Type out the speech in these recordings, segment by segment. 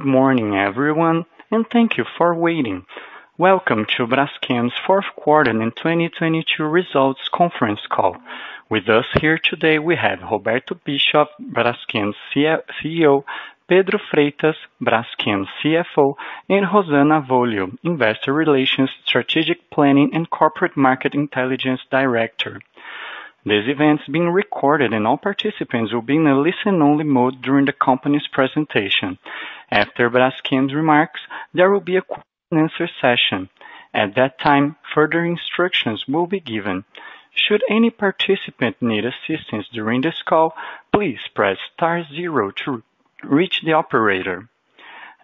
Good morning everyone, and thank you for waiting. Welcome to Braskem's fourth quarter 2022 results conference call. With us here today we have Roberto Bischoff, Braskem's CEO, Pedro Freitas, Braskem's CFO, and Rosana Avolio, Investor Relations Strategic Planning and Corporate Market Intelligence Director. This event is being recorded and all participants will be in a listen-only mode during the company's presentation. After Braskem's remarks, there will be a question and answer session. At that time, further instructions will be given. Should any participant need assistance during this call, please press star 0 to reach the operator.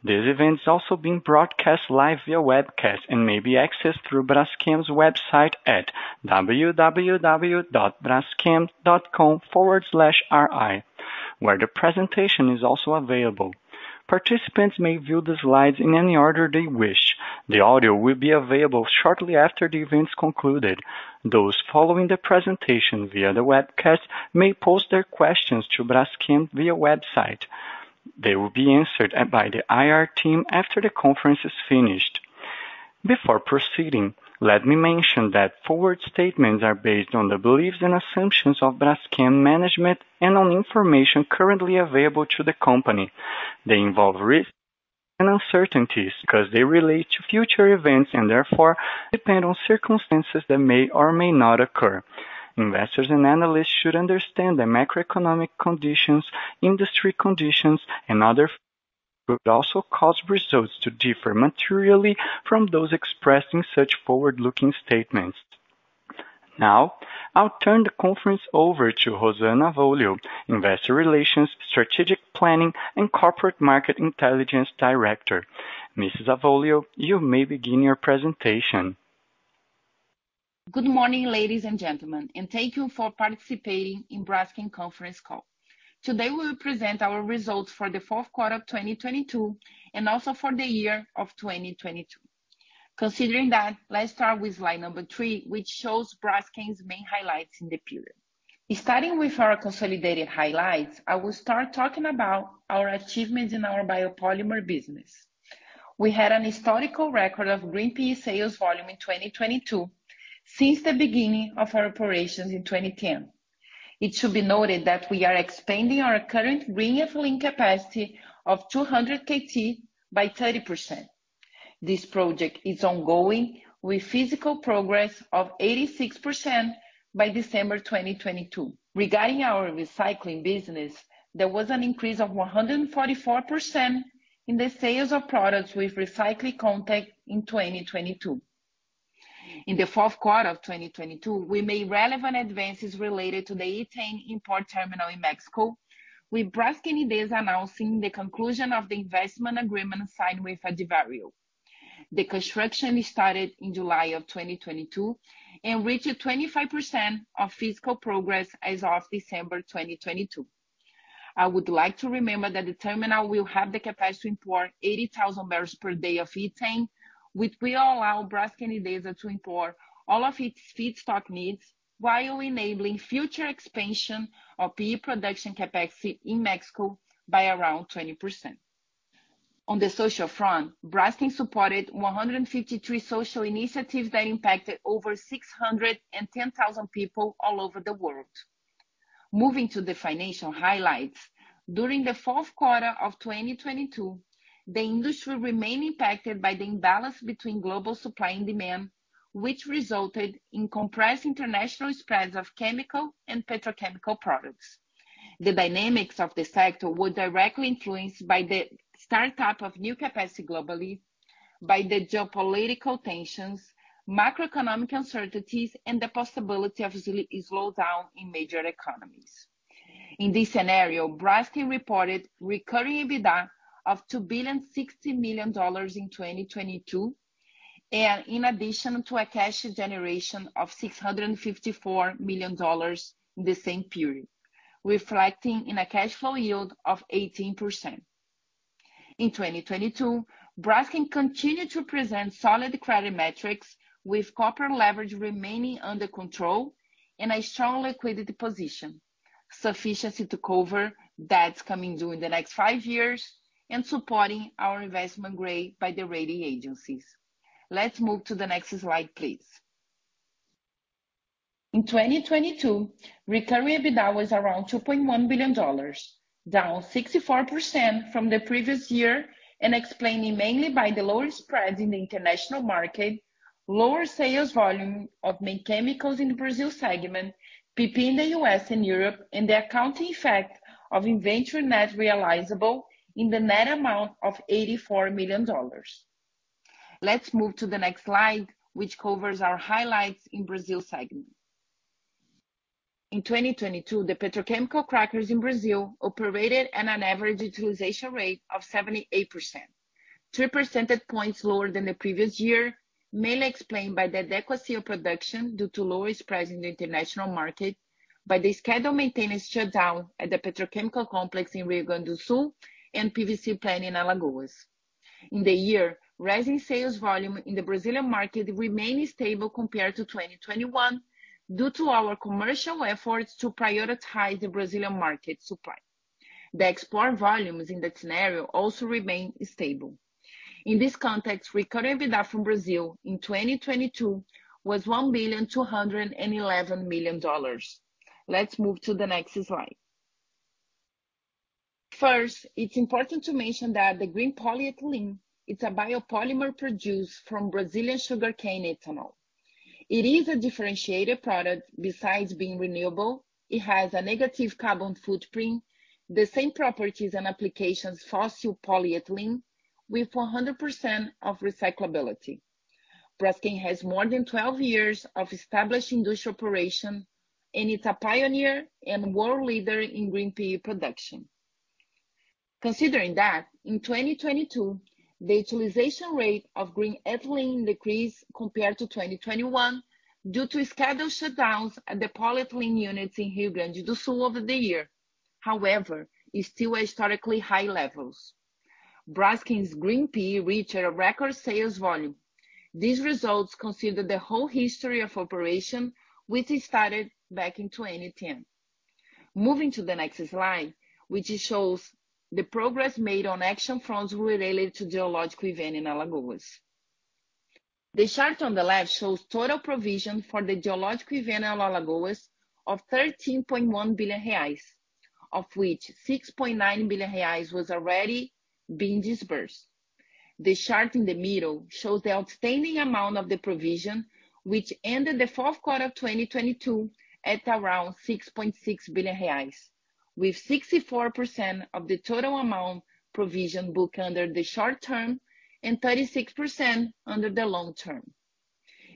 This event is also being broadcast live via webcast and may be accessed through Braskem's website at www.braskem.com/ri, where the presentation is also available. Participants may view the slides in any order they wish. The audio will be available shortly after the event's concluded. Those following the presentation via the webcast may pose their questions to Braskem via website. They will be answered by the I.R. team after the conference is finished. Before proceeding, let me mention that forward statements are based on the beliefs and assumptions of Braskem management and on information currently available to the company. They involve risks and uncertainties because they relate to future events and therefore depend on circumstances that may or may not occur. Investors and analysts should understand that macroeconomic conditions, industry conditions, and other could also cause results to differ materially from those expressing such forward-looking statements. I'll turn the conference over to Rosana Avolio, Investor Relations, Strategic Planning, and Corporate Market Intelligence Director. Mrs. Avolio, you may begin your presentation. Good morning, ladies and gentlemen, thank you for participating in Braskem conference call. Today we will present our results for the fourth quarter of 2022 and also for the year of 2022. Considering that, let's start with slide number 3, which shows Braskem's main highlights in the period. Starting with our consolidated highlights, I will start talking about our achievements in our biopolymer business. We had an historical record of green PE sales volume in 2022 since the beginning of our operations in 2010. It should be noted that we are expanding our current green ethylene capacity of 200 KT by 30%. This project is ongoing with physical progress of 86% by December 2022. Regarding our recycling business, there was an increase of 144% in the sales of products with recycled content in 2022. In the fourth quarter of 2022, we made relevant advances related to the ethane import terminal in Mexico, with Braskem today announcing the conclusion of the investment agreement signed with Advario. The construction started in July of 2022 and reached 25% of physical progress as of December 2022. I would like to remember that the terminal will have the capacity to import 80,000 barrels per day of ethane, which will allow Braskem today to import all of its feedstock needs while enabling future expansion of PE production capacity in Mexico by around 20%. On the social front, Braskem supported 153 social initiatives that impacted over 610,000 people all over the world. Moving to the financial highlights. During the fourth quarter of 2022, the industry remained impacted by the imbalance between global supply and demand, which resulted in compressed international spreads of chemical and petrochemical products. The dynamics of the sector were directly influenced by the startup of new capacity globally, by the geopolitical tensions, macroeconomic uncertainties, and the possibility of a slowdown in major economies. In this scenario, Braskem reported recurring EBITDA of $2.06 billion in 2022, and in addition to a cash generation of $654 million in the same period, reflecting in a cash flow yield of 18%. In 2022, Braskem continued to present solid credit metrics with corporate leverage remaining under control and a strong liquidity position, sufficiency to cover debts coming due in the next 5 years and supporting our investment grade by the rating agencies. Let's move to the next slide, please. In 2022, recurring EBITDA was around $2.1 billion, down 64% from the previous year and explained mainly by the lower spreads in the international market, lower sales volume of main chemicals in the Brazil segment, PP in the U.S. and Europe, and the accounting effect of inventory net realizable in the net amount of $84 million. Let's move to the next slide, which covers our highlights in Brazil segment. In 2022, the petrochemical crackers in Brazil operated at an average utilization rate of 78%, 3 percentage points lower than the previous year, mainly explained by the adequacy of production due to lower spreads in the international market, by the scheduled maintenance shutdown at the petrochemical complex in Rio Grande do Sul, and PVC plant in Alagoas. In the year, rising sales volume in the Brazilian market remained stable compared to 2021 due to our commercial efforts to prioritize the Brazilian market supply. The export volumes in that scenario also remained stable. In this context, recovery EBITDA from Brazil in 2022 was $1.211 billion. Let's move to the next slide. First, it's important to mention that the green polyethylene, it's a biopolymer produced from Brazilian sugarcane ethanol. It is a differentiated product. Besides being renewable, it has a negative carbon footprint, the same properties and applications fossil polyethylene with 100% of recyclability. Braskem has more than 12 years of established industrial operation. It's a pioneer and world leader in green PE production. Considering that in 2022, the utilization rate of green ethylene decreased compared to 2021 due to scheduled shutdowns at the polyethylene units in Rio Grande do Sul over the year. It's still historically high levels. Braskem's green PE reached a record sales volume. These results consider the whole history of operation, which started back in 2010. Moving to the next slide, which shows the progress made on action fronts related to geological event in Alagoas. The chart on the left shows total provision for the geological event in Alagoas of 13.1 billion reais, of which 6.9 billion reais was already being disbursed. The chart in the middle shows the outstanding amount of the provision, which ended Q4 2022 at around 6.6 billion reais, with 64% of the total amount provision booked under the short term and 36% under the long term.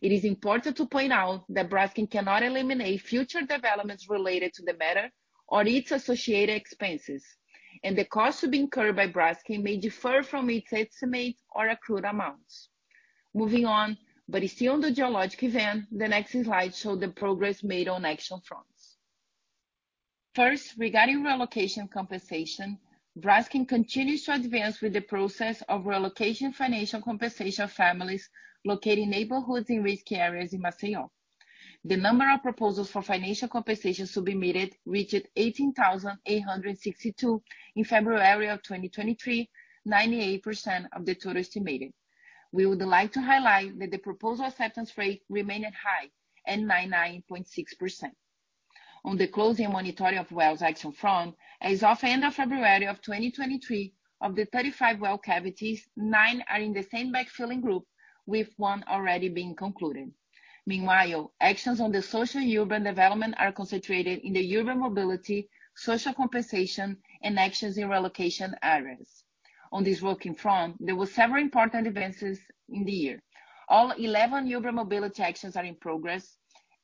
It is important to point out that Braskem cannot eliminate future developments related to the matter or its associated expenses. The cost to be incurred by Braskem may differ from its estimate or accrued amounts. Moving on, but still on the geological event, the next slide show the progress made on action fronts. Regarding relocation compensation, Braskem continues to advance with the process of relocation financial compensation of families located in neighborhoods in risky areas in Maceió. The number of proposals for financial compensation to be made reached 18,862 in February 2023, 98% of the total estimated. We would like to highlight that the proposal acceptance rate remained high at 99.6%. On the closing monetary of wells action front, as of end of February 2023, of the 35 well cavities, 9 are in the same backfilling group, with 1 already being concluded. Actions on the social urban development are concentrated in the urban mobility, social compensation, and actions in relocation areas. On this working front, there were several important advances in the year. All 11 urban mobility actions are in progress,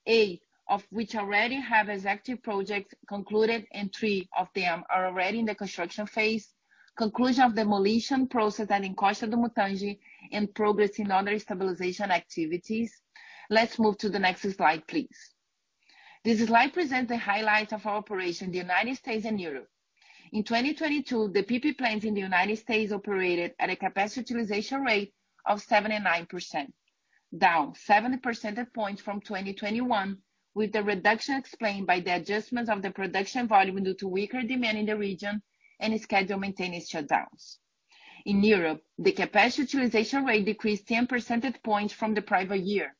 8 of which already have executive projects concluded and 3 of them are already in the construction phase. Conclusion of demolition process at Encosta do Mutange and progress in other stabilization activities. Let's move to the next slide, please. This slide presents the highlights of our operation in the United States and Europe. In 2022, the PP plants in the United States operated at a capacity utilization rate of 79%, down 70 percentage points from 2021, with the reduction explained by the adjustment of the production volume due to weaker demand in the region and schedule maintenance shutdowns. In Europe, the capacity utilization rate decreased 10 percentage points from the prior year,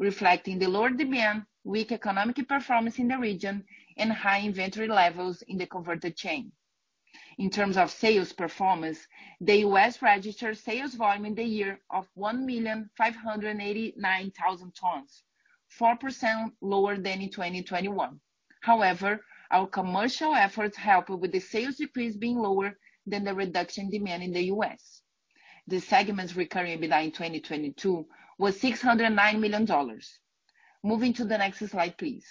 reflecting the lower demand, weak economic performance in the region, and high inventory levels in the converted chain. In terms of sales performance, the US registered sales volume in the year of 1,589,000 tons, 4% lower than in 2021. However, our commercial efforts helped with the sales decrease being lower than the reduction demand in the US. The segment's recurring EBITDA in 2022 was $609 million. Moving to the next slide, please.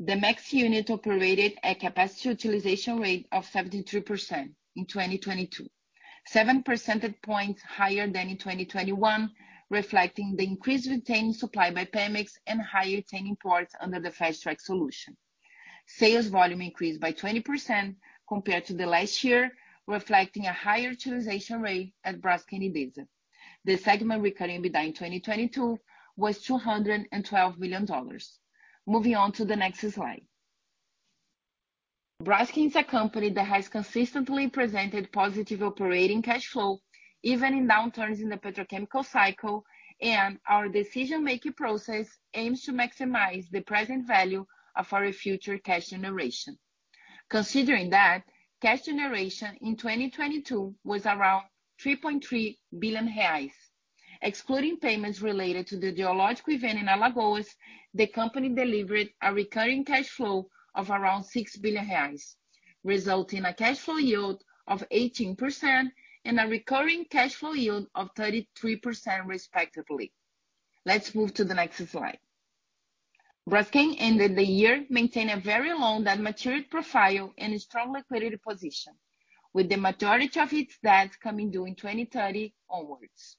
The Mexico unit operated at capacity utilization rate of 73% in 2022, 7 percentage points higher than in 2021, reflecting the increased retained supply by Pemex and higher ethane imports under the Fast Track solution. Sales volume increased by 20% compared to the last year, reflecting a higher utilization rate at Braskem Idesa. The segment recurring EBITDA in 2022 was $212 million. Moving on to the next slide. Braskem is a company that has consistently presented positive operating cash flow, even in downturns in the petrochemical cycle. Our decision-making process aims to maximize the present value of our future cash generation. Considering that, cash generation in 2022 was around 3.3 billion reais. Excluding payments related to the geological event in Alagoas, the company delivered a recurring cash flow of around 6 billion reais, resulting in a cash flow yield of 18% and a recurring cash flow yield of 33% respectively. Let's move to the next slide. Braskem ended the year maintaining a very long debt maturity profile and a strong liquidity position, with the majority of its debts coming due in 2030 onwards.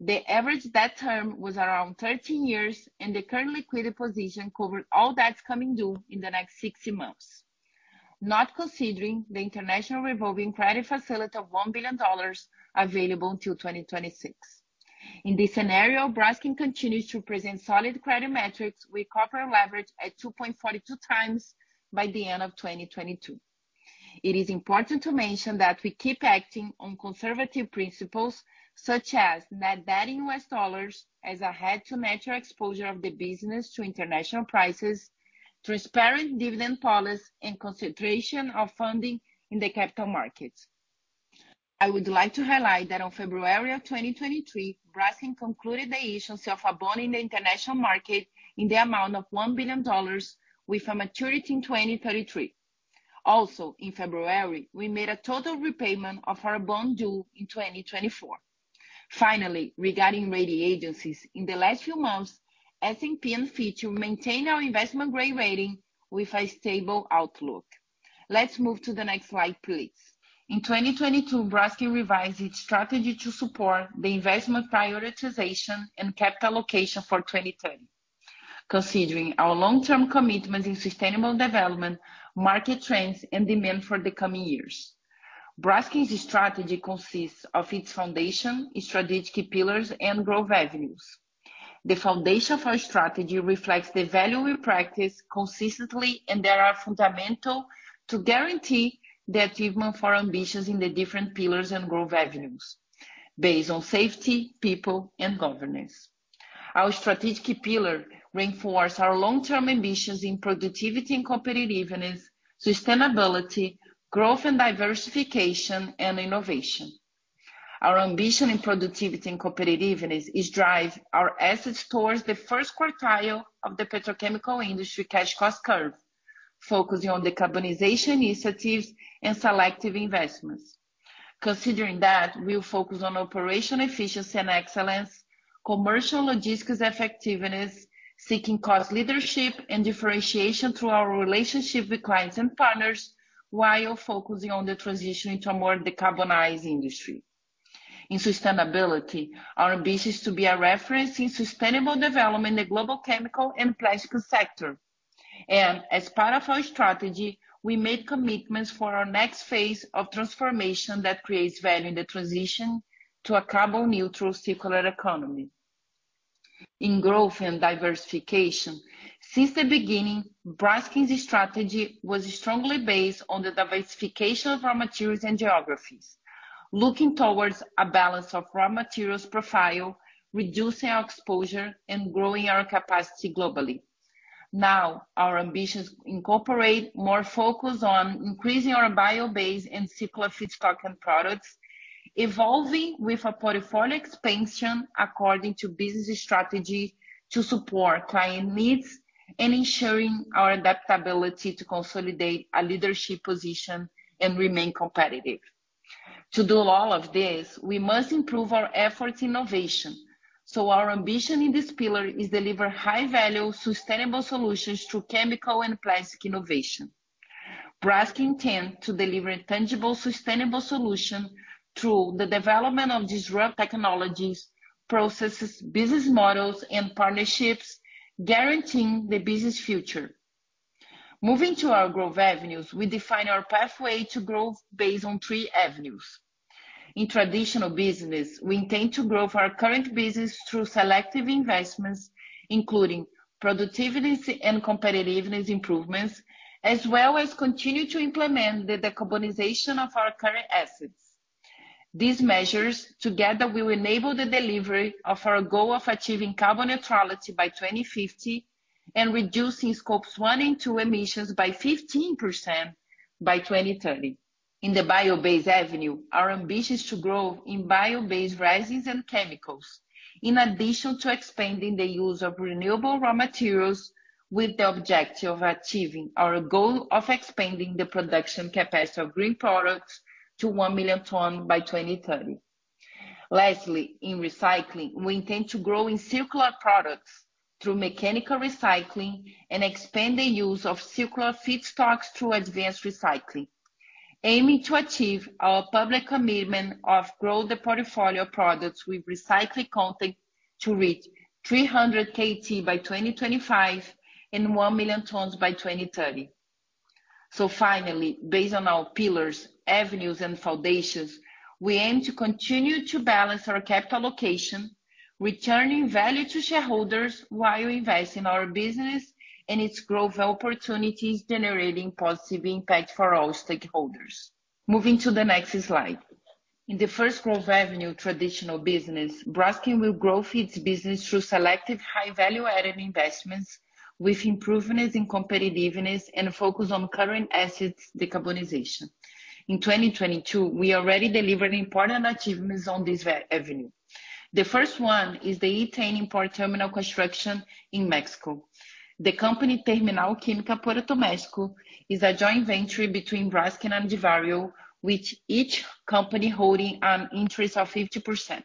The average debt term was around 13 years, and the current liquidity position covered all debts coming due in the next 60 months, not considering the international revolving credit facility of $1 billion available until 2026. In this scenario, Braskem continues to present solid credit metrics with corporate leverage at 2.42 times by the end of 2022. It is important to mention that we keep acting on conservative principles such as net debt in U.S. dollars as a head to match our exposure of the business to international prices, transparent dividend policy, and concentration of funding in the capital markets. I would like to highlight that on February 2023, Braskem concluded the issuance of a bond in the international market in the amount of $1 billion with a maturity in 2033. In February, we made a total repayment of our bond due in 2024. Regarding rating agencies, in the last few months, S&P and Fitch maintained our investment grade rating with a stable outlook. Let's move to the next slide, please. In 2022, Braskem revised its strategy to support the investment prioritization and capital allocation for 2030. Considering our long-term commitment in sustainable development, market trends and demand for the coming years. Braskem's strategy consists of its foundation, strategic pillars and growth avenues. The foundation for our strategy reflects the value we practice consistently, and they are fundamental to guarantee the achievement for our ambitions in the different pillars and growth avenues based on safety, people and governance. Our strategic pillar reinforce our long-term ambitions in productivity and competitiveness, sustainability, growth and diversification, and innovation. Our ambition in productivity and competitiveness is drive our assets towards the first quartile of the petrochemical industry cash cost curve, focusing on decarbonization initiatives and selective investments. Considering that, we'll focus on operational efficiency and excellence, commercial logistics effectiveness, seeking cost leadership and differentiation through our relationship with clients and partners, while focusing on the transition into a more decarbonized industry. In sustainability, our ambition is to be a reference in sustainable development in the global chemical and plastic sector. As part of our strategy, we made commitments for our next phase of transformation that creates value in the transition to a carbon neutral circular economy. In growth and diversification, since the beginning, Braskem's strategy was strongly based on the diversification of raw materials and geographies, looking towards a balance of raw materials profile, reducing our exposure and growing our capacity globally. Our ambitions incorporate more focus on increasing our bio-based and circular feedstock and products, evolving with a portfolio expansion according to business strategy to support client needs and ensuring our adaptability to consolidate a leadership position and remain competitive. To do all of this, we must improve our efforts in innovation. Our ambition in this pillar is deliver high value sustainable solutions through chemical and plastic innovation. Braskem intend to deliver tangible, sustainable solution through the development of disrupt technologies, processes, business models and partnerships guaranteeing the business future. Moving to our growth avenues, we define our pathway to growth based on three avenues. In traditional business, we intend to grow our current business through selective investments, including productivities and competitiveness improvements, as well as continue to implement the decarbonization of our current assets. These measures, together will enable the delivery of our goal of achieving carbon neutrality by 2050 and reducing Scope 1 and Scope 2 emissions by 15% by 2030. In the bio-based avenue, our ambition is to grow in bio-based resins and chemicals. In addition to expanding the use of renewable raw materials with the objective of achieving our goal of expanding the production capacity of green products to 1 million ton by 2030. Lastly, in recycling, we intend to grow in circular products through mechanical recycling and expand the use of circular feedstocks through advanced recycling, aiming to achieve our public commitment of grow the portfolio products with recycled content to reach 300 KT by 2025 and 1 million tons by 2030. Finally, based on our pillars, avenues and foundations, we aim to continue to balance our capital allocation, returning value to shareholders while we invest in our business and its growth opportunities, generating positive impact for all stakeholders. Moving to the next slide. In the first growth avenue, traditional business, Braskem will grow its business through selective high value added investments with improvements in competitiveness and focus on current assets decarbonization. In 2022, we already delivered important achievements on this avenue. The first one is the ethane import terminal construction in Mexico. The company Terminal Química Puerto México is a joint venture between Braskem and Advario, with each company holding an interest of 50%.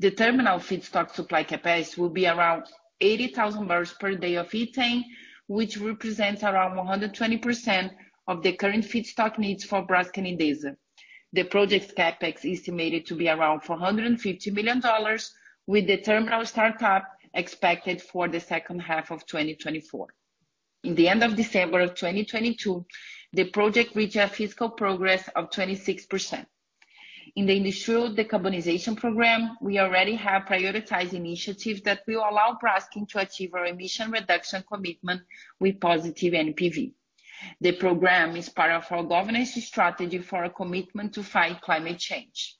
The terminal feedstock supply capacity will be around 80,000 barrels per day of ethane, which represents around 120% of the current feedstock needs for Braskem in this. The project CapEx estimated to be around $450 million with the terminal startup expected for the second half of 2024. In the end of December 2022, the project reached a physical progress of 26%. In the Industrial Decarbonization program, we already have prioritized initiatives that will allow Braskem to achieve our emission reduction commitment with positive NPV. The program is part of our governance strategy for a commitment to fight climate change.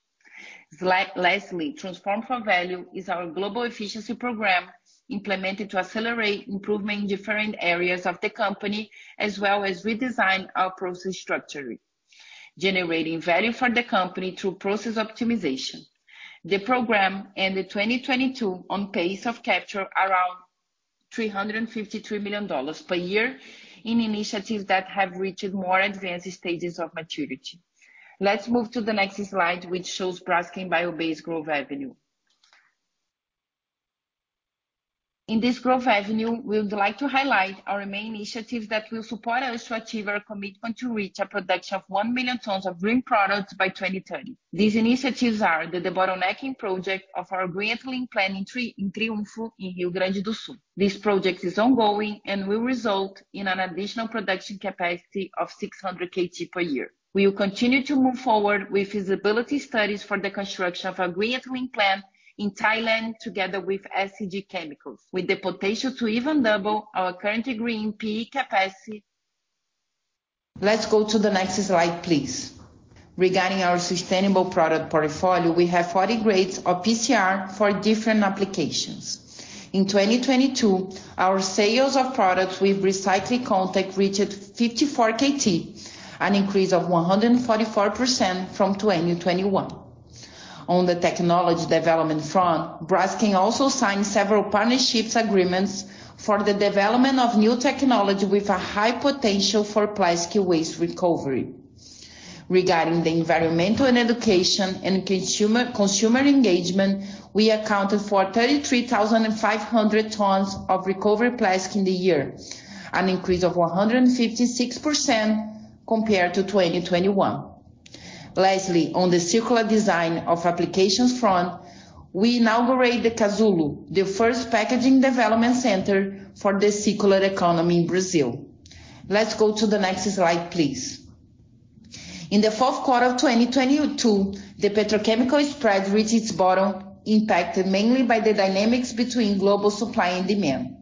Lastly, Transform for Value is our global efficiency program implemented to accelerate improvement in different areas of the company, as well as redesign our process structure, generating value for the company through process optimization. The program ended 2022 on pace of capture around $353 million per year in initiatives that have reached more advanced stages of maturity. Let's move to the next slide, which shows Braskem bio-based growth avenue. In this growth avenue, we would like to highlight our main initiatives that will support us to achieve our commitment to reach a production of 1 million tons of green products by 2030. These initiatives are the debottlenecking project of our green ethylene plant in Triunfo, in Rio Grande do Sul. This project is ongoing and will result in an additional production capacity of 600 KT per year. We will continue to move forward with feasibility studies for the construction of a green ethylene plant in Thailand together with SCG Chemicals, with the potential to even double our current green PE capacity. Let's go to the next slide, please. Regarding our sustainable product portfolio, we have 40 grades of PCR for different applications. In 2022, our sales of products with recycled content reached 54 KT, an increase of 144% from 2021. On the technology development front, Braskem also signed several partnerships agreements for the development of new technology with a high potential for plastic waste recovery. Regarding the environmental and education and consumer engagement, we accounted for 33,500 tons of recovered plastic in the year, an increase of 156% compared to 2021. Lastly, on the circular design of applications front, we inaugurate the Cazoolo, the first packaging development center for the circular economy in Brazil. Let's go to the next slide, please. In the fourth quarter of 2022, the petrochemical spread reached its bottom, impacted mainly by the dynamics between global supply and demand.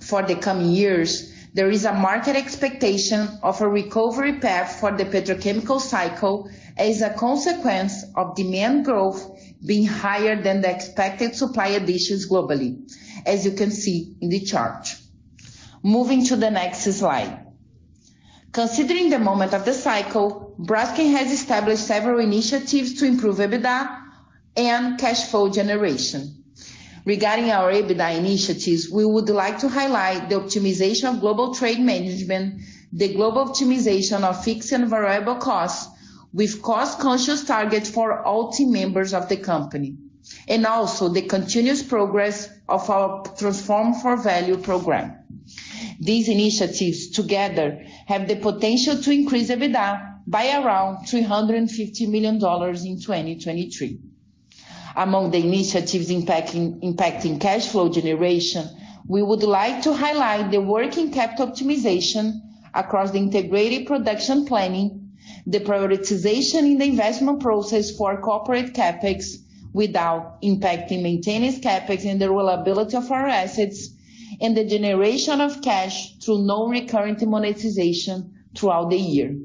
For the coming years, there is a market expectation of a recovery path for the petrochemical cycle as a consequence of demand growth being higher than the expected supply additions globally, as you can see in the chart. Moving to the next slide. Considering the moment of the cycle, Braskem has established several initiatives to improve EBITDA and cash flow generation. Regarding our EBITDA initiatives, we would like to highlight the optimization of global trade management, the global optimization of fixed and variable costs with cost-conscious targets for all team members of the company, and also the continuous progress of our Transform for Value program. These initiatives together have the potential to increase EBITDA by around $350 million in 2023. Among the initiatives impacting cash flow generation, we would like to highlight the working capital optimization across the integrated production planning, the prioritization in the investment process for corporate CapEx without impacting maintenance CapEx and the reliability of our assets, and the generation of cash through non-recurrent monetization throughout the year.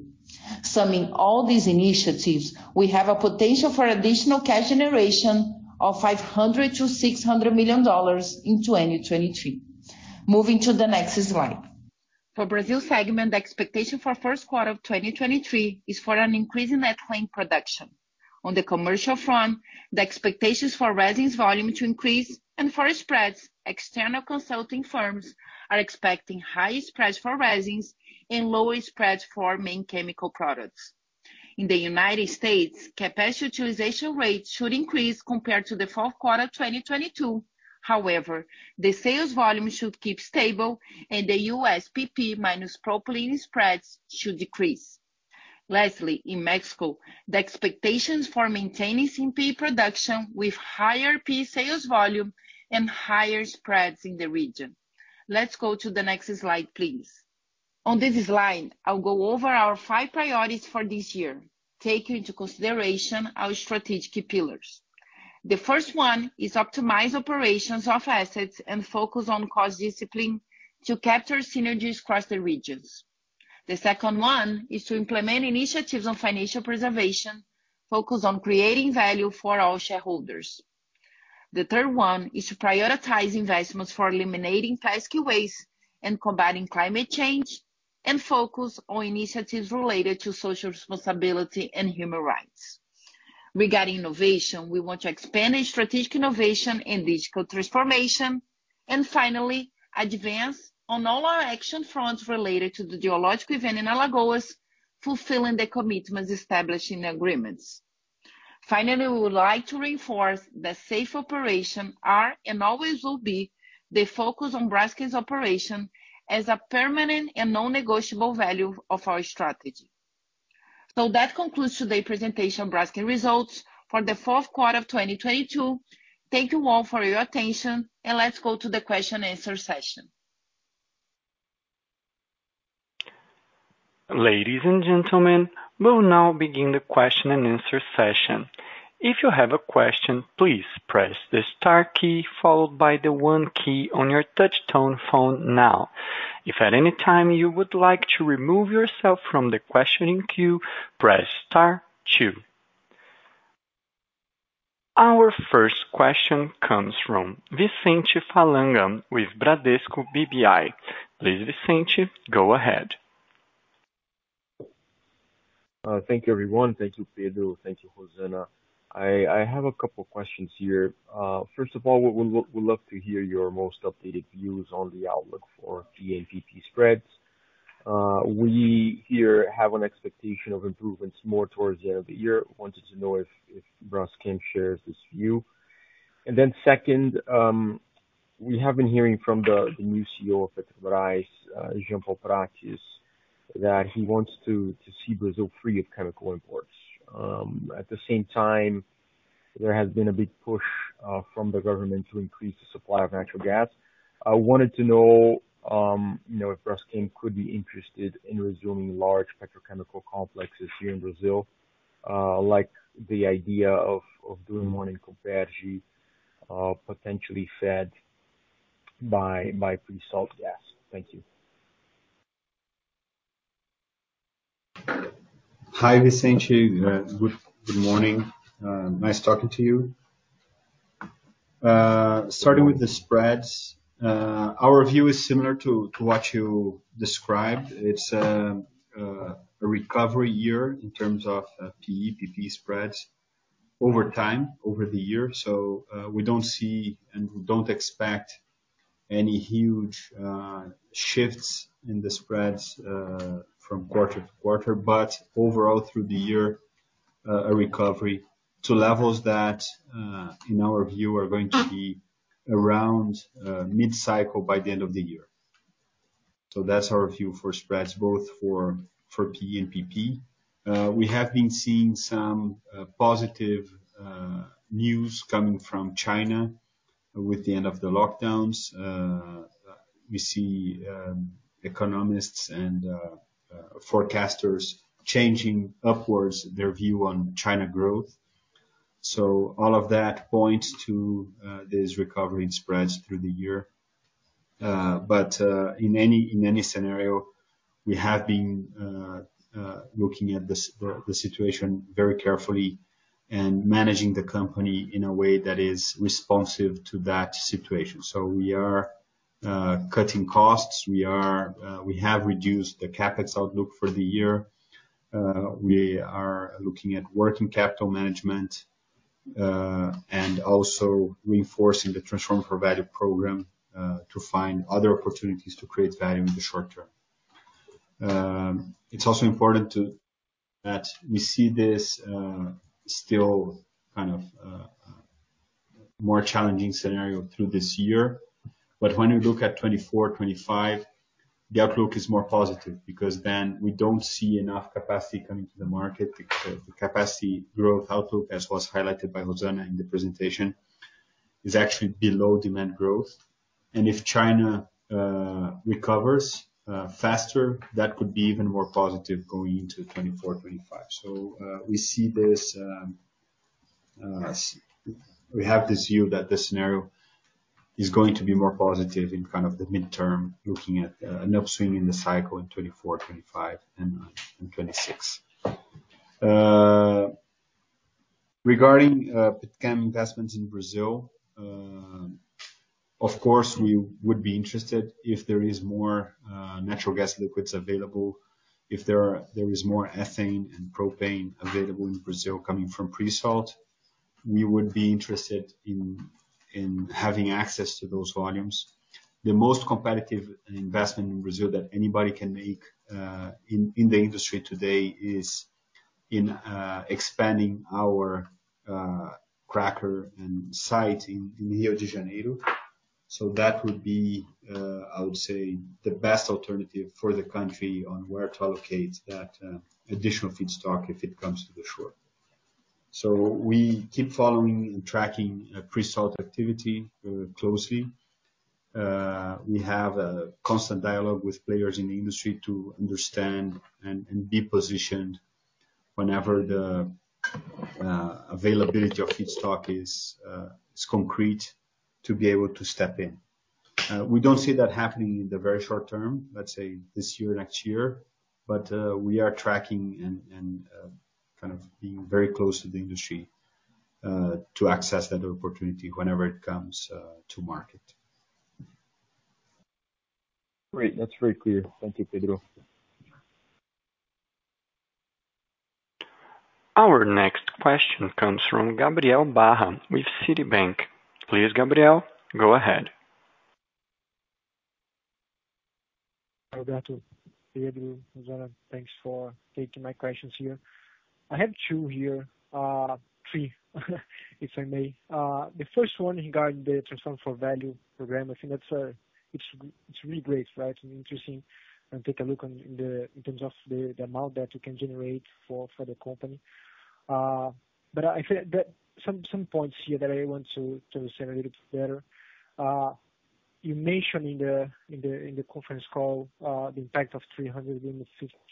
Summing all these initiatives, we have a potential for additional cash generation of $500 million-$600 million in 2023. Moving to the next slide. For Brazil segment, the expectation for first quarter of 2023 is for an increase in ethylene production. On the commercial front, the expectations for resins volume to increase and for spreads, external consulting firms are expecting high spreads for resins and low spreads for main chemical products. In the United States, capacity utilization rate should increase compared to the fourth quarter 2022. However, the sales volume should keep stable and the U.S. PP minus propylene spreads should decrease. Lastly, in Mexico, the expectations for maintaining CP production with higher PE sales volume and higher spreads in the region. Let's go to the next slide, please. On this slide, I'll go over our 5 priorities for this year, taking into consideration our strategic pillars. The first one is optimize operations of assets and focus on cost discipline to capture synergies across the regions. The second one is to implement initiatives on financial preservation, focused on creating value for all shareholders. The third one is to prioritize investments for eliminating plastic waste and combating climate change and focus on initiatives related to social responsibility and human rights. Regarding innovation, we want to expand strategic innovation and digital transformation. Finally, advance on all our action fronts related to the geological event in Alagoas, fulfilling the commitments established in the agreements. We would like to reinforce that safe operation are and always will be the focus on Braskem's operation as a permanent and non-negotiable value of our strategy. That concludes today's presentation of Braskem results for the fourth quarter of 2022. Thank you all for your attention, and let's go to the question and answer session. Ladies and gentlemen, we'll now begin the question and answer session. If you have a question, please press the star key followed by the one key on your touch tone phone now. If at any time you would like to remove yourself from the questioning queue, press star two. Our first question comes from Vicente Falanga with Bradesco BBI. Please, Vicente, go ahead. Thank you, everyone. Thank you, Pedro. Thank you, Rosana. I have a couple questions here. First of all, we'd love to hear your most updated views on the outlook for PE PP spreads. We here have an expectation of improvements more towards the end of the year. Wanted to know if Braskem shares this view. Second, we have been hearing from the new CEO of Petrobras, Jean Paul Prates, that he wants to see Brazil free of chemical imports. At the same time, there has been a big push from the government to increase the supply of natural gas. I wanted to know, you know, if Braskem could be interested in resuming large petrochemical complexes here in Brazil, like the idea of doing one in Comperj, potentially fed by pre-salt gas. Thank you. Hi, Vicente. Good morning. Nice talking to you. Starting with the spreads, our view is similar to what you described. It's a recovery year in terms of PE PP spreads over time, over the year. We don't see and we don't expect any huge shifts in the spreads from quarter to quarter. Overall, through the year, a recovery to levels that, in our view, are going to be around mid-cycle by the end of the year. That's our view for spreads, both for PE and PP. We have been seeing some positive news coming from China with the end of the lockdowns. We see economists and forecasters changing upwards their view on China growth. All of that points to this recovery in spreads through the year. In any scenario, we have been looking at the situation very carefully and managing the company in a way that is responsive to that situation. We are cutting costs. We have reduced the CapEx outlook for the year. We are looking at working capital management and also reinforcing the Transform for Value program to find other opportunities to create value in the short term. It's also important that we see this still kind of more challenging scenario through this year. When we look at 2024, 2025, the outlook is more positive because then we don't see enough capacity coming to the market. The capacity growth outlook, as was highlighted by Rosana in the presentation, is actually below demand growth. If China recovers faster, that could be even more positive going into 2024, 2025. We see this We have this view that the scenario is going to be more positive in kind of the midterm, looking at an upswing in the cycle in 2024, 2025, and 2026. Regarding petchem investments in Brazil, of course, we would be interested if there is more natural gas liquids available. If there is more ethane and propane available in Brazil coming from pre-salt, we would be interested in having access to those volumes. The most competitive investment in Brazil that anybody can make in the industry today is in expanding our cracker and site in Rio de Janeiro. That would be, I would say, the best alternative for the country on where to allocate that additional feedstock if it comes to the shore. We keep following and tracking pre-salt activity closely. We have a constant dialogue with players in the industry to understand and be positioned whenever the availability of feedstock is concrete to be able to step in. We don't see that happening in the very short term, let's say this year, next year. We are tracking and kind of being very close to the industry to access that opportunity whenever it comes to market. Great. That's very clear. Thank you, Pedro. Our next question comes from Gabriel Barra with Citibank. Please, Gabriel, go ahead. Roberto, Gabriel, Rosana, thanks for taking my questions here. I have two here, three, if I may. The first one regarding the Transform for Value program. I think that's, it's really great, right? Interesting, and take a look on, in the, in terms of the amount that you can generate for the company. I think that some points here that I want to understand a little bit better. You mentioned in the conference call, the impact of $353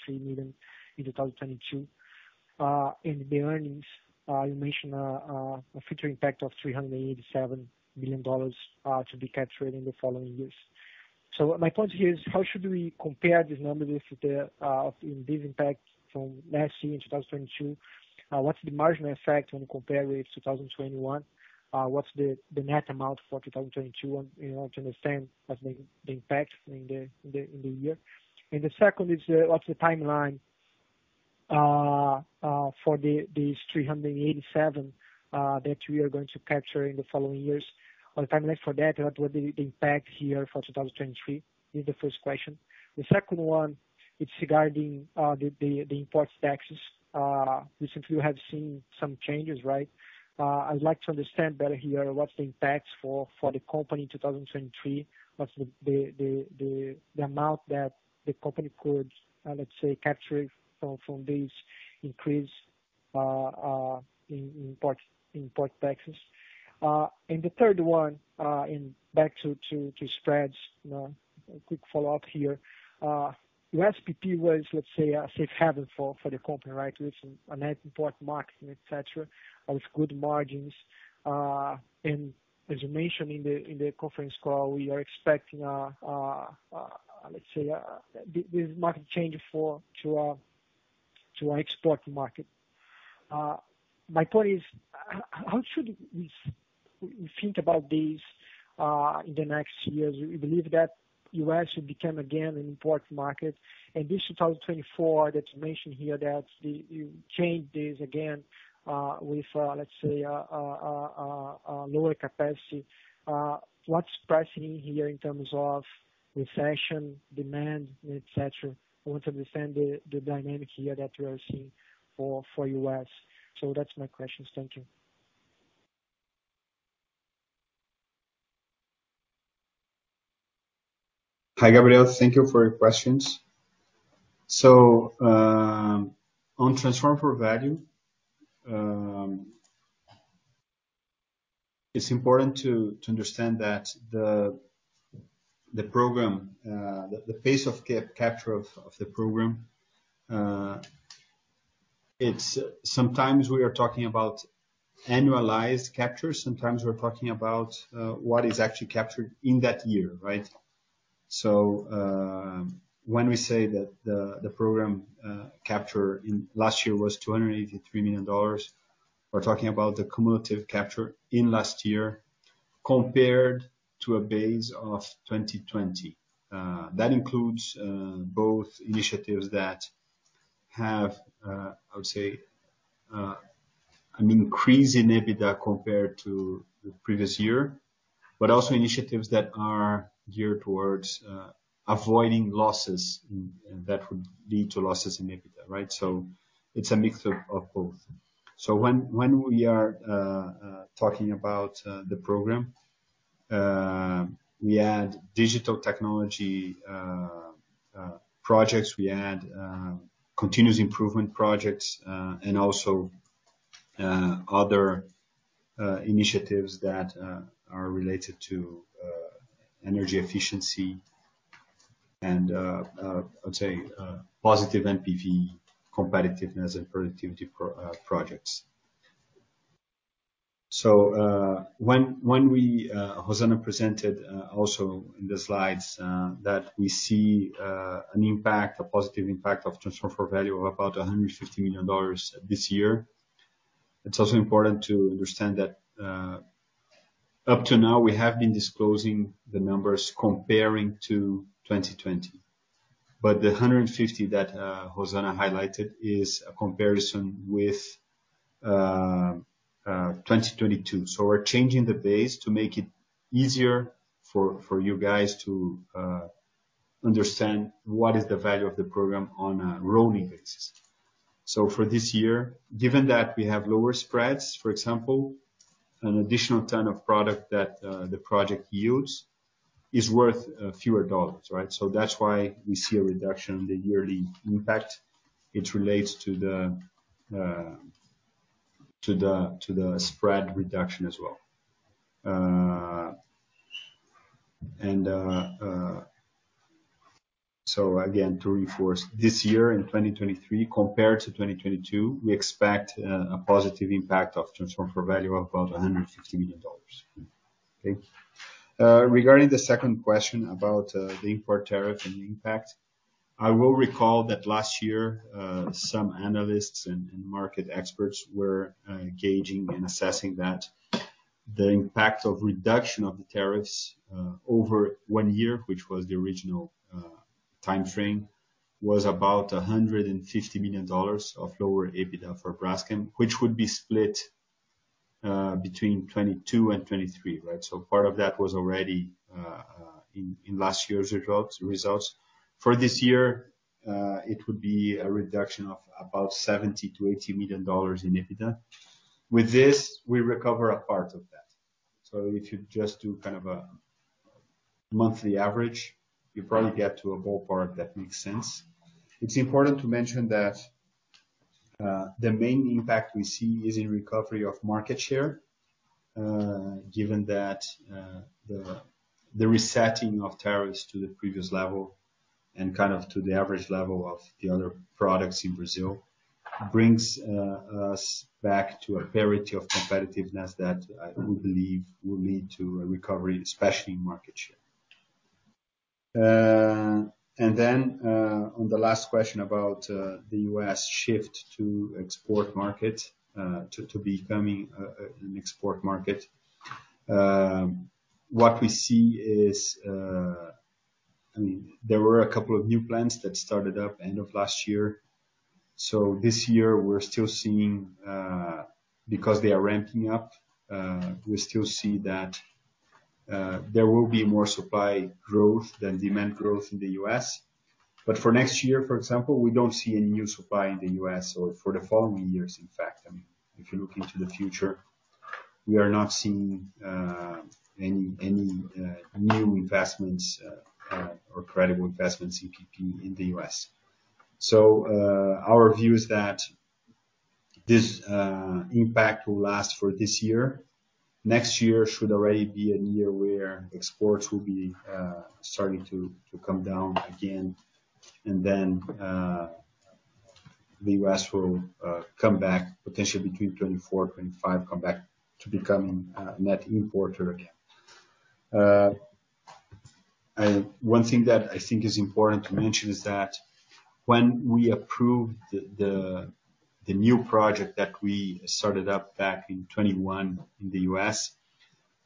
million in 2022. In the earnings, you mentioned a future impact of $387 million, to be captured in the following years. My point here is how should we compare these numbers with the in this impact from last year in 2022? What's the marginal effect when you compare with 2021? What's the net amount for 2022 and in order to understand what's been the impact in the year? The second is what's the timeline for the 387 that we are going to capture in the following years? On the timeline for that, what would be the impact here for 2023? This is the first question. The second one is regarding the import taxes. Recently you have seen some changes, right? I'd like to understand better here what's the impact for the company in 2023. What's the amount that the company could, let's say, capture from this increase import taxes. The third one, in back to spreads. You know, a quick follow-up here. USPP was, let's say, a safe haven for the company, right? With an net import market, et cetera, with good margins. As you mentioned in the conference call, we are expecting, let's say, this market change for to a export market. My point is how should we think about this in the next years? We believe that U.S. should become again an important market. This 2024 that you mentioned here that you change this again, with, let's say a lower capacity. What's pricing in here in terms of recession, demand, et cetera? I want to understand the dynamic here that we are seeing for U.S. That's my questions. Thank you. Hi, Gabriel. Thank you for your questions. On Transform for Value, it's important to understand that the program, the pace of capture of the program, sometimes we are talking about annualized capture, sometimes we're talking about what is actually captured in that year, right? When we say that the program, capture in last year was $283 million, we're talking about the cumulative capture in last year compared to a base of 2020. That includes both initiatives that have, I would say, an increase in EBITDA compared to the previous year, but also initiatives that are geared towards avoiding losses that would lead to losses in EBITDA, right? It's a mix of both. When we are talking about the program, we add digital technology projects. We add continuous improvement projects, and also other initiatives that are related to energy efficiency and, I would say, positive NPV competitiveness and productivity projects. When we, Rosana Avolio presented also in the slides that we see an impact, a positive impact of Transform for Value of about $150 million this year. It's also important to understand that up to now we have been disclosing the numbers comparing to 2020. The 150 that Rosana Avolio highlighted is a comparison with 2022. We're changing the base to make it easier for you guys to understand what is the value of the program on a rolling basis. For this year, given that we have lower spreads, for example, an additional ton of product that the project yields is worth a fewer dollars, right? That's why we see a reduction in the yearly impact. It relates to the spread reduction as well. Again, to reinforce this year in 2023 compared to 2022, we expect a positive impact of Transform for Value of about $150 million. Okay. Regarding the second question about the import tariff and the impact, I will recall that last year, some analysts and market experts were gauging and assessing that the impact of reduction of the tariffs over one year, which was the original timeframe, was about $150 million of lower EBITDA for Braskem, which would be split between 2022 and 2023, right? Part of that was already in last year's results. For this year, it would be a reduction of about $70 million-$80 million in EBITDA. With this, we recover a part of that. If you just do kind of a monthly average, you probably get to a ballpark that makes sense. It's important to mention that the main impact we see is in recovery of market share, given that the resetting of tariffs to the previous level and kind of to the average level of the other products in Brazil brings us back to a parity of competitiveness that I do believe will lead to a recovery, especially in market share. Then on the last question about the U.S. shift to export market, to becoming an export market. What we see is, I mean, there were a couple of new plants that started up end of last year. This year we're still seeing, because they are ramping up, we still see that there will be more supply growth than demand growth in the U.S. For next year, for example, we don't see any new supply in the U.S. or for the following years, in fact. I mean, if you look into the future, we are not seeing any new investments or credible investments in PP in the U.S. Our view is that this impact will last for this year. Next year should already be a year where exports will be starting to come down again. Then, the U.S. will come back potentially between 2024, 2025, come back to becoming a net importer again. One thing that I think is important to mention is that when we approved the new project that we started up back in 2021 in the U.S.,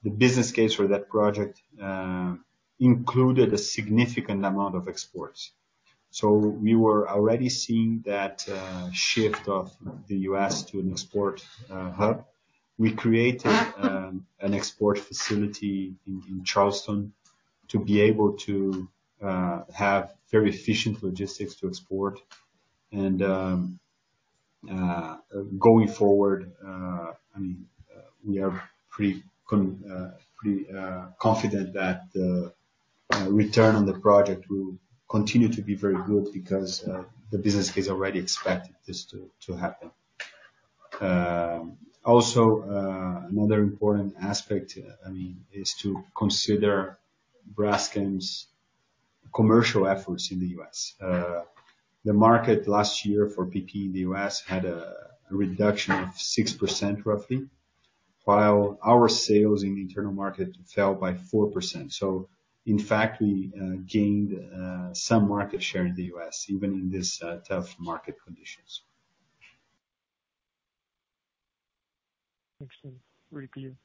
the business case for that project included a significant amount of exports. We were already seeing that shift of the U.S. to an export hub. We created an export facility in Charleston to be able to have very efficient logistics to export. Going forward, we are pretty confident that the return on the project will continue to be very good because the business case already expected this to happen. Also, another important aspect is to consider Braskem's commercial efforts in the U.S. The market last year for PP in the U.S. had a reduction of 6% roughly, while our sales in the internal market fell by 4%. In fact, we gained some market share in the U.S. even in this tough market conditions. Thanks. Very clear.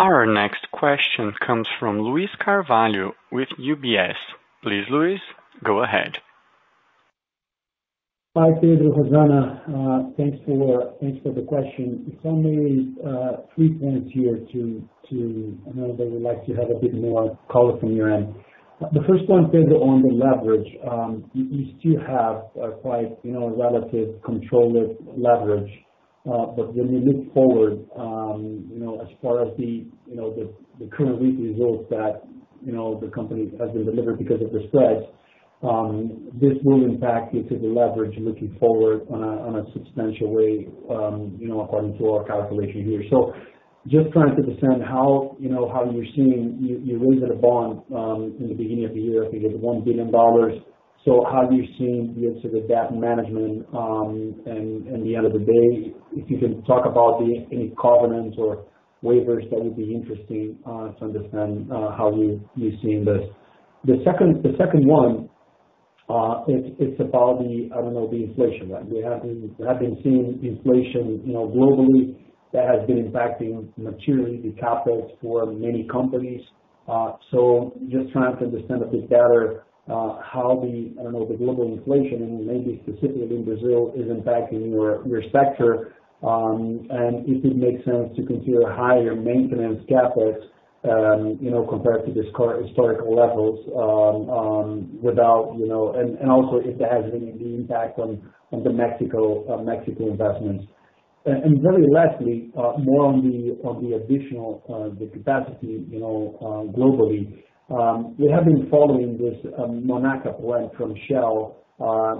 Our next question comes from Luiz Carvalho with UBS. Please, Luis, go ahead. Hi, Pedro, Rosana. Thanks for the question. It's only three points here. I know that we'd like to have a bit more color from your end. The first one, Pedro, on the leverage. You still have a quite, you know, relative controlled leverage. When we look forward, you know, as far as the, you know, the current weak results that, you know, the company has been delivered because of the spreads, this will impact into the leverage looking forward on a substantial way, you know, according to our calculation here. Just trying to understand how, you know, how you're seeing... You raised a bond in the beginning of the year, I think it's $1 billion. How are you seeing into the debt management, and the end of the day, if you can talk about the, any covenants or waivers, that would be interesting to understand how you're seeing this? The second one, it's about the, I don't know, the inflation, right? We have been seeing inflation, you know, globally that has been impacting materially the capital for many companies. Just trying to understand a bit better how the, I don't know, the global inflation and maybe specifically in Brazil is impacting your sector, and if it makes sense to consider higher maintenance CapEx, you know, compared to historical levels, without, you know, and also if it has any impact on the Mexico investments? very lastly, more on the additional capacity, globally, we have been following this Monaca plant from Shell.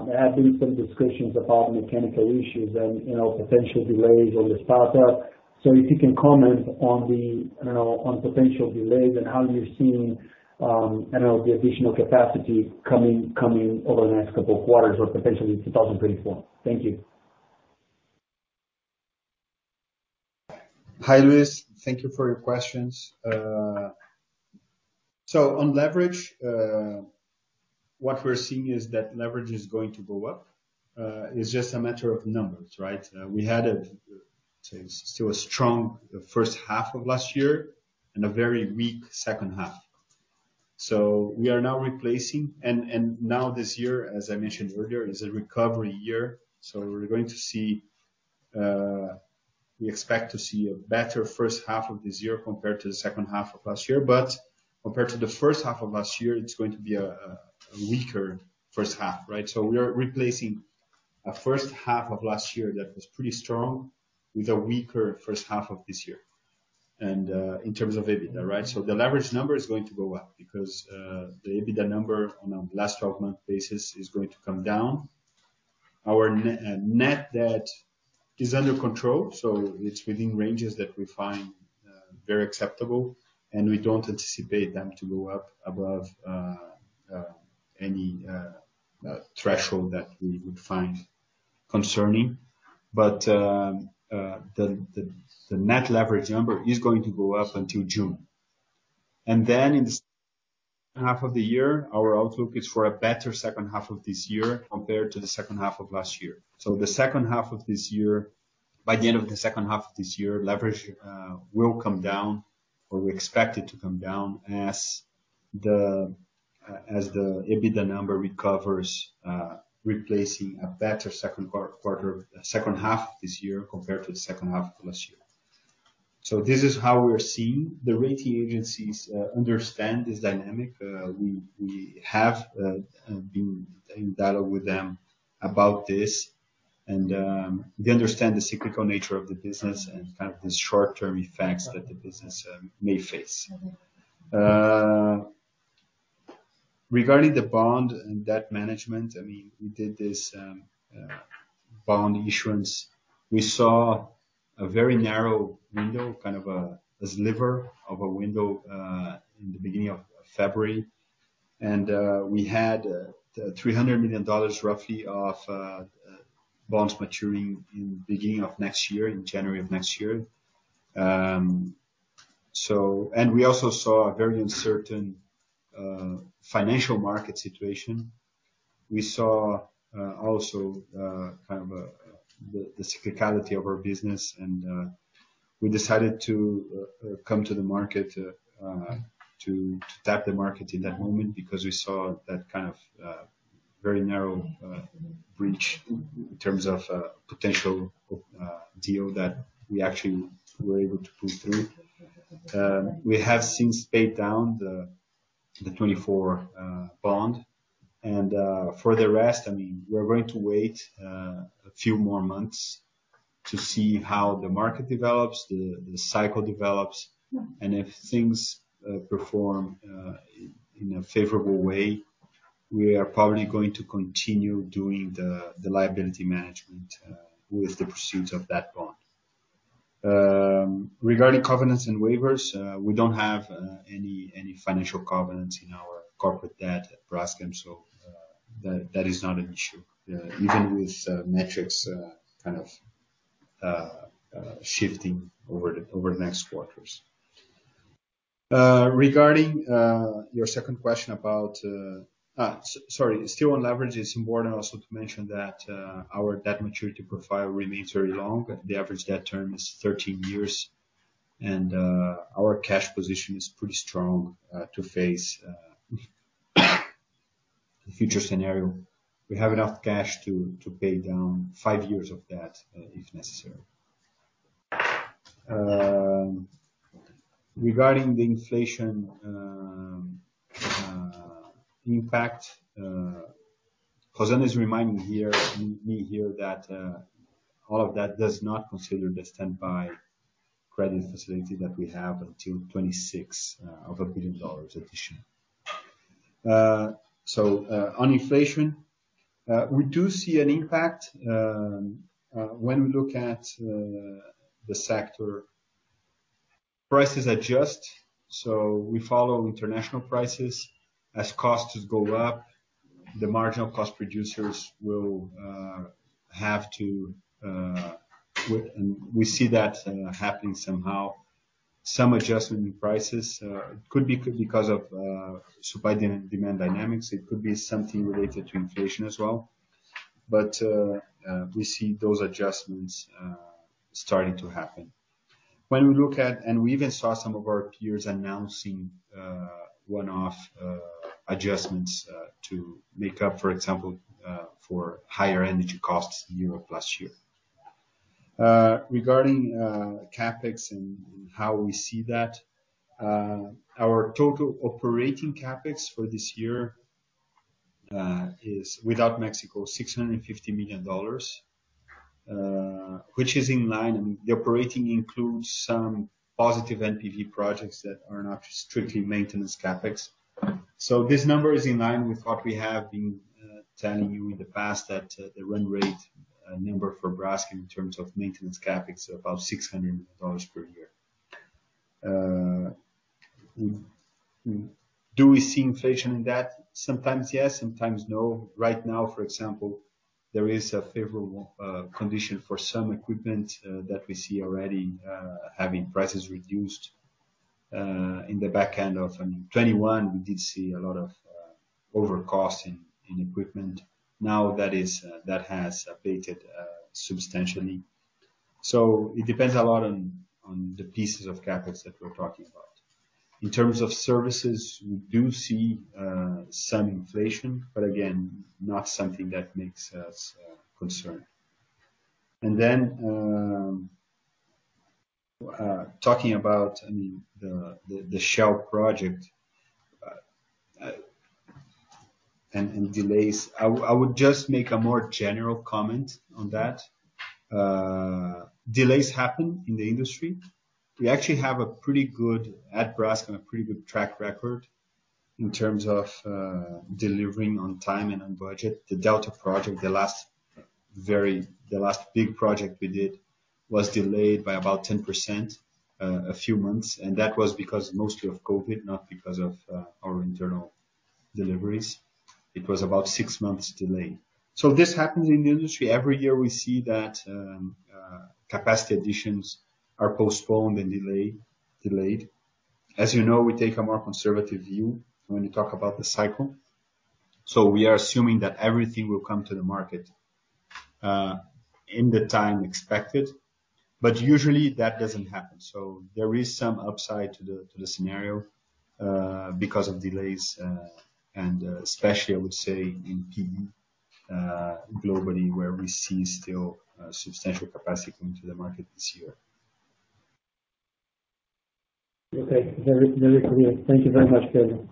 There have been some discussions about mechanical issues and potential delays on the startup. If you can comment on the potential delays and how you're seeing the additional capacity coming over the next couple of quarters or potentially in 2024. Thank you. Hi, Luiz. Thank you for your questions. On leverage, what we're seeing is that leverage is going to go up. It's just a matter of numbers, right? We had still a strong first half of last year and a very weak second half. We are now replacing. Now this year, as I mentioned earlier, is a recovery year. We're going to see, we expect to see a better first half of this year compared to the second half of last year. Compared to the first half of last year, it's going to be a weaker first half, right? We are replacing a first half of last year that was pretty strong with a weaker first half of this year, in terms of EBITDA, right? The leverage number is going to go up because the EBITDA number on a last 12-month basis is going to come down. Our net debt is under control, so it's within ranges that we find very acceptable, and we don't anticipate them to go up above any threshold that we would find concerning. The net leverage number is going to go up until June. Then in the second half of the year, our outlook is for a better second half of this year compared to the second half of last year. By the end of the second half of this year, leverage will come down, or we expect it to come down as the EBITDA number recovers, replacing a better second quarter, second half this year compared to the second half of last year. This is how we're seeing the rating agencies understand this dynamic. We have been in dialogue with them about this and they understand the cyclical nature of the business and kind of the short-term effects that the business may face. Regarding the bond and debt management, I mean, we did this bond issuance. We saw a very narrow window, kind of a sliver of a window, in the beginning of February. We had $300 million roughly of bonds maturing in the beginning of next year, in January of next year. We also saw a very uncertain financial market situation. We saw also kind of the cyclicality of our business. We decided to come to tap the market in that moment because we saw that kind of very narrow breach in terms of potential deal that we actually were able to pull through. We have since paid down the 2024 bond. For the rest, I mean, we're going to wait a few more months to see how the market develops, the cycle develops. If things perform in a favorable way, we are probably going to continue doing the liability management with the pursuit of that bond. Regarding covenants and waivers, we don't have any financial covenants in our corporate debt at Braskem, so that is not an issue even with metrics kind of shifting over the next quarters. Regarding your second question about, sorry, still on leverage, it's important also to mention that our debt maturity profile remains very long. The average debt term is 13 years. Our cash position is pretty strong to face the future scenario. We have enough cash to pay down five years of debt if necessary. Regarding the inflation impact, Rosana is reminding me here that all of that does not consider the standby credit facility that we have until 2026 of a $1 billion addition. On inflation, we do see an impact when we look at the sector. Prices adjust, so we follow international prices. As costs go up, the marginal cost producers will have to... We see that happening somehow. Some adjustment in prices could be because of supply-demand dynamics. It could be something related to inflation as well. We see those adjustments starting to happen. We even saw some of our peers announcing one-off adjustments to make up, for example, for higher energy costs year of last year. Regarding CapEx and how we see that, our total operating CapEx for this year is without Mexico, $650 million, which is in line. The operating includes some positive NPV projects that are not strictly maintenance CapEx. This number is in line with what we have been telling you in the past that the run rate number for Braskem in terms of maintenance CapEx are about $600 million per year. Do we see inflation in that? Sometimes yes, sometimes no. Right now, for example, there is a favorable condition for some equipment that we see already having prices reduced. In the back end of, I mean, 2021, we did see a lot of over cost in equipment. Now that is, that has abated substantially. It depends a lot on the pieces of CapEx that we're talking about. In terms of services, we do see some inflation, but again, not something that makes us concerned. Talking about, I mean, the Shell project, and delays. I would just make a more general comment on that. Delays happen in the industry. We actually have a pretty good at Braskem, a pretty good track record in terms of delivering on time and on budget. The Delta project, the last big project we did, was delayed by about 10%, a few months, and that was because mostly of COVID, not because of our internal deliveries. It was about six months delayed. This happens in the industry. Every year, we see that capacity additions are postponed and delayed. As you know, we take a more conservative view when you talk about the cycle. We are assuming that everything will come to the market in the time expected, but usually that doesn't happen. There is some upside to the scenario because of delays and especially I would say in PE globally, where we see still substantial capacity coming to the market this year. Okay. Very, very clear. Thank you very much, Pedro.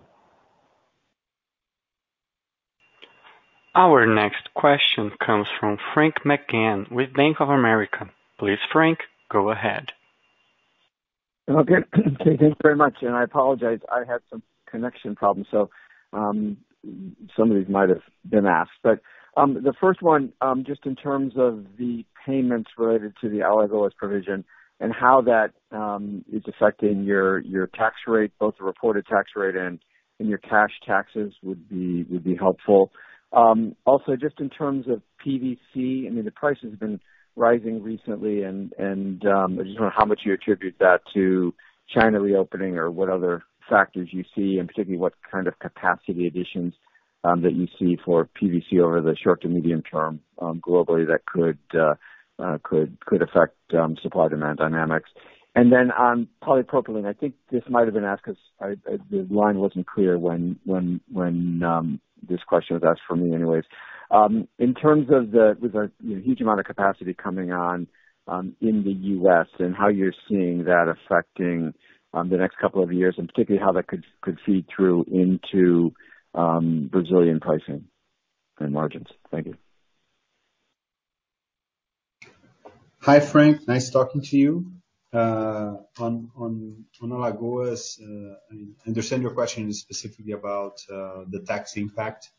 Our next question comes from Frank McGann with Bank of America. Please, Frank, go ahead. Okay. Thank you very much, and I apologize, I had some connection problems. Some of these might have been asked. The first one, just in terms of the payments related to the Alagoas provision and how that is affecting your tax rate, both the reported tax rate and your cash taxes would be helpful. Also, just in terms of PVC, I mean, the price has been rising recently and, I just wonder how much you attribute that to China reopening or what other factors you see, and particularly what kind of capacity additions that you see for PVC over the short to medium term, globally that could affect supply-demand dynamics. On polypropylene, I think this might have been asked 'cause the line wasn't clear when this question was asked from me anyways. In terms of the with a, you know, huge amount of capacity coming on in the U.S. and how you're seeing that affecting the next couple of years, and particularly how that could feed through into Brazilian pricing and margins. Thank you. Hi, Frank. Nice talking to you. On Alagoas, I understand your question is specifically about the tax impact.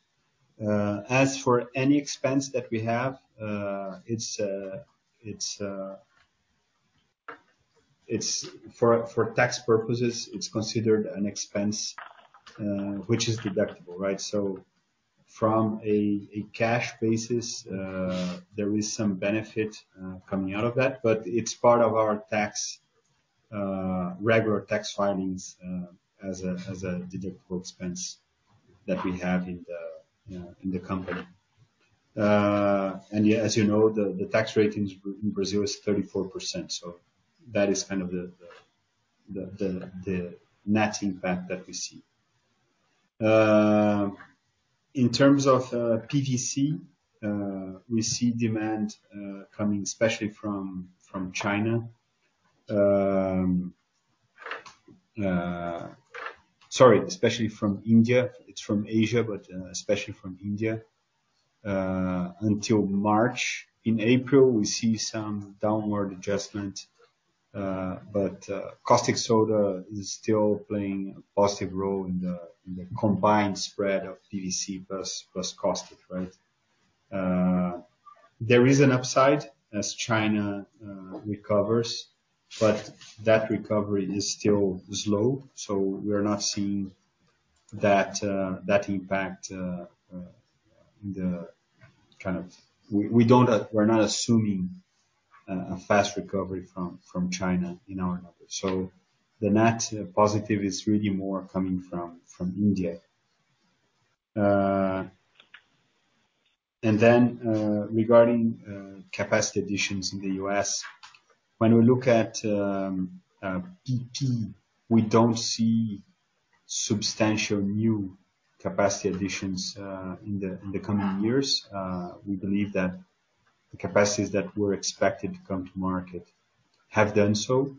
As for any expense that we have, it's for tax purposes, it's considered an expense, which is deductible, right? From a cash basis, there is some benefit coming out of that, but it's part of our tax regular tax filings as a deductible expense that we have in the company. Yeah, as you know, the tax rate in Brazil is 34%, so that is kind of the net impact that we see. In terms of PVC, we see demand coming especially from China. Sorry, especially from India. It's from Asia, but, especially from India, until March. In April, we see some downward adjustment, but caustic soda is still playing a positive role in the combined spread of PVC plus caustic, right. There is an upside as China recovers, but that recovery is still slow, so we're not seeing that impact. We don't we're not assuming a fast recovery from China in our numbers. The net positive is really more coming from India. Then, regarding capacity additions in the U.S., when we look at PP, we don't see substantial new capacity additions in the coming years. We believe that the capacities that were expected to come to market have done so.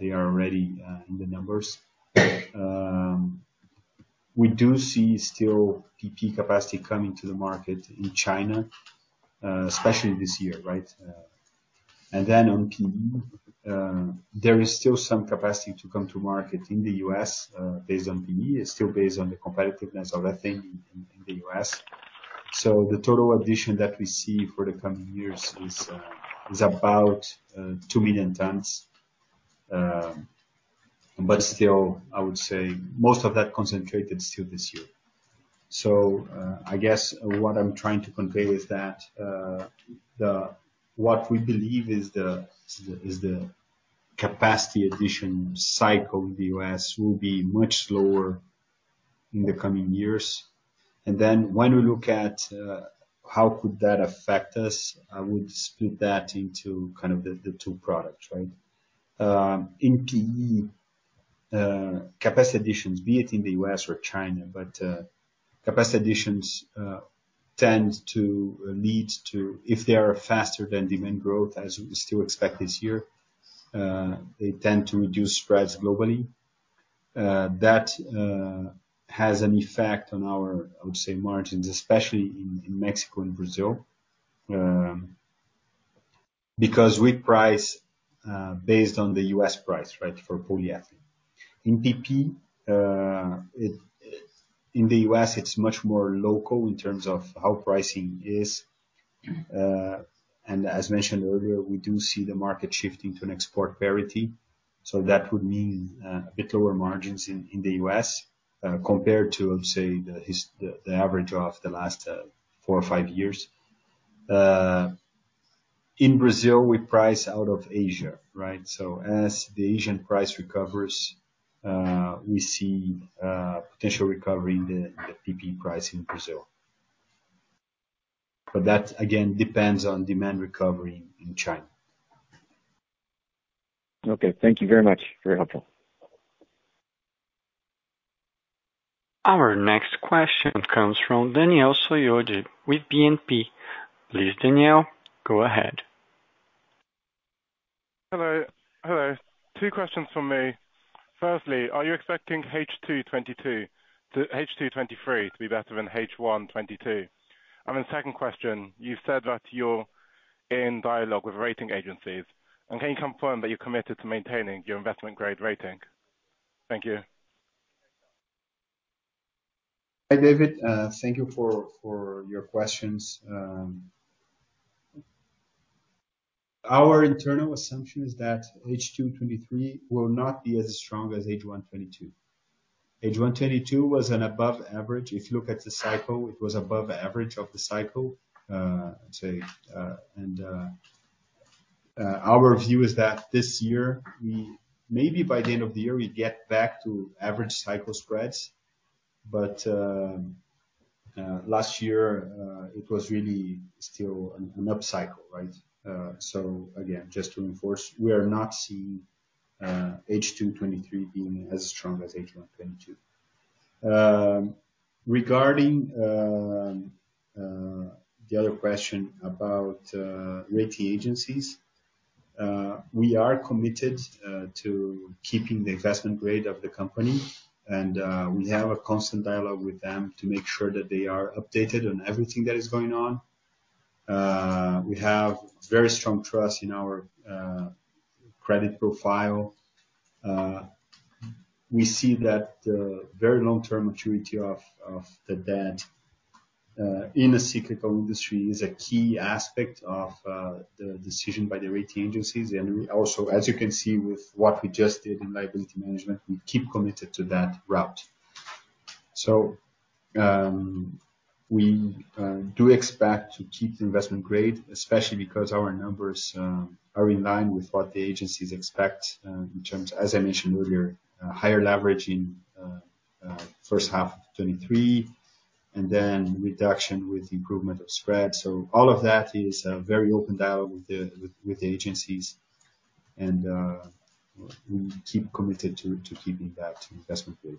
They are already in the numbers. We do see still PP capacity coming to the market in China, especially this year, right? On PE, there is still some capacity to come to market in the U.S., based on PE. It's still based on the competitiveness of ethane in the U.S. The total addition that we see for the coming years is about 2 million tons. Still, I would say most of that concentrated still this year. I guess what I'm trying to convey is that what we believe is the capacity addition cycle in the U.S. will be much slower in the coming years. When we look at how could that affect us, I would split that into kind of the two products, right? In PE, capacity additions, be it in the U.S. or China, but capacity additions, tend to lead to if they are faster than demand growth, as we still expect this year, they tend to reduce spreads globally. That has an effect on our, I would say margins, especially in Mexico and Brazil, because we price, based on the U.S. price, right, for polyethylene. In PP, in the U.S. it's much more local in terms of how pricing is. As mentioned earlier, we do see the market shifting to an export parity. That would mean, a bit lower margins in the U.S., compared to, let's say the average of the last, four or five years. In Brazil, we price out of Asia, right? As the Asian price recovers, we see potential recovery in the PP price in Brazil. That again depends on demand recovery in China. Okay. Thank you very much. Very helpful. Our next question comes from Daniel Soyode with BNP. Please, Daniel, go ahead. Hello. Hello. Two questions from me. Firstly, are you expecting H2 2022 to H2 2023 to be better than H1 2022? The second question, you said that you're in dialogue with rating agencies. Can you confirm that you're committed to maintaining your investment grade rating? Thank you. Hi, David. Thank you for your questions. Our internal assumption is that H2 '23 will not be as strong as H1 '22. H1 '22 was an above average. If you look at the cycle, it was above average of the cycle. I'd say, and our view is that this year we maybe by the end of the year we get back to average cycle spreads. Last year, it was really still an up cycle, right? So again, just to reinforce, we are not seeing H2 '23 being as strong as H1 '22. Regarding the other question about rating agencies, we are committed to keeping the investment grade of the company and we have a constant dialogue with them to make sure that they are updated on everything that is going on. We have very strong trust in our credit profile. We see that the very long term maturity of the debt in the cyclical industry is a key aspect of the decision by the rating agencies. We also, as you can see with what we just did in liability management, we keep committed to that route. We do expect to keep the investment grade, especially because our numbers are in line with what the agencies expect in terms, as I mentioned earlier, higher leverage in first half of 2023 and then reduction with improvement of spreads. All of that is a very open dialogue with the agencies and we keep committed to keeping that investment grade.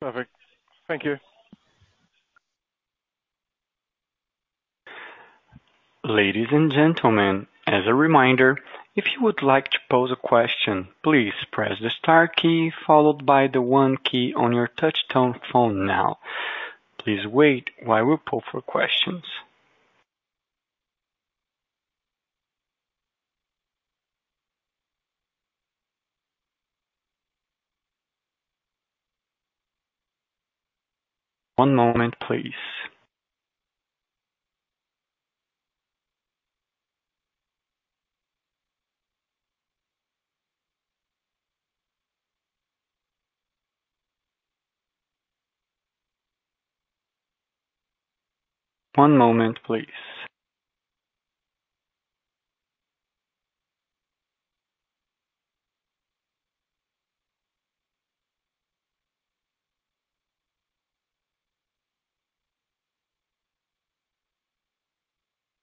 Perfect. Thank you. Ladies and gentlemen, as a reminder, if you would like to pose a question, please press the star key followed by the one key on your touch tone phone now. Please wait while we poll for questions. One moment, please. One moment, please.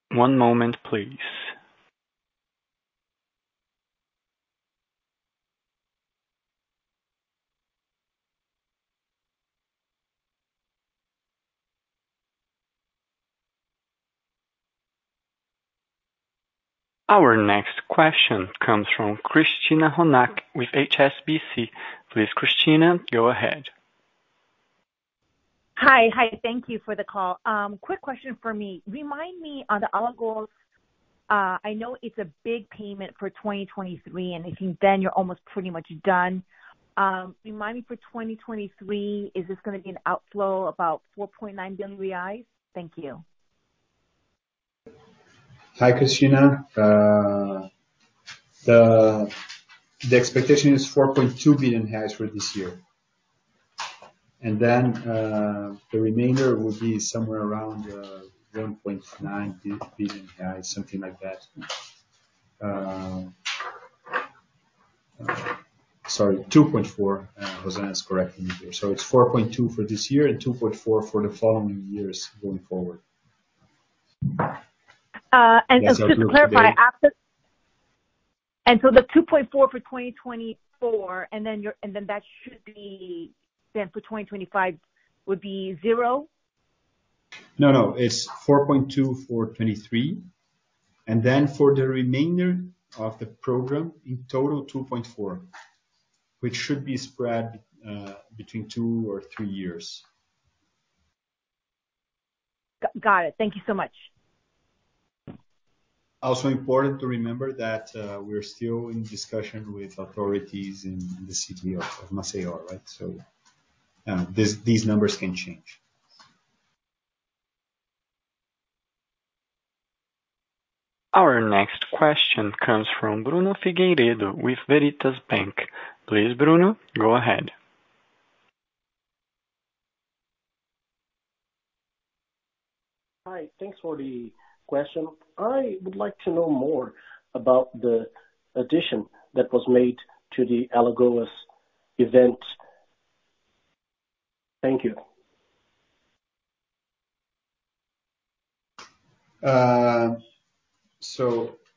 One moment, please. Our next question comes from Christina Ronac with HSBC. Please, Christina, go ahead. Hi. Hi. Thank you for the call. Quick question for me. Remind me on the Alagoas, I know it's a big payment for 2023, and if you've done, you're almost pretty much done. Remind me for 2023, is this gonna be an outflow about 4.9 billion reais? Thank you. Hi, Christina. The expectation is 4.2 billion reais for this year. The remainder will be somewhere around 1.9 billion, something like that. Sorry, 2.4 billion. Rosana is correcting me here. It's 4.2 billion for this year and 2.4 billion for the following years going forward. and just to clarify, after... The $2.4 for 2024, that should be then for 2025 would be 0? No, no. It's $4.2 for 2023, and then for the remainder of the program, in total $2.4, which should be spread between two or three years. Got it. Thank you so much. Important to remember that, we're still in discussion with authorities in the city of Maceió, right? These numbers can change. Our next question comes from Bruno Figueiredo with Veritas Bank. Please, Bruno, go ahead. Hi. Thanks for the question. I would like to know more about the addition that was made to the Alagoas event. Thank you.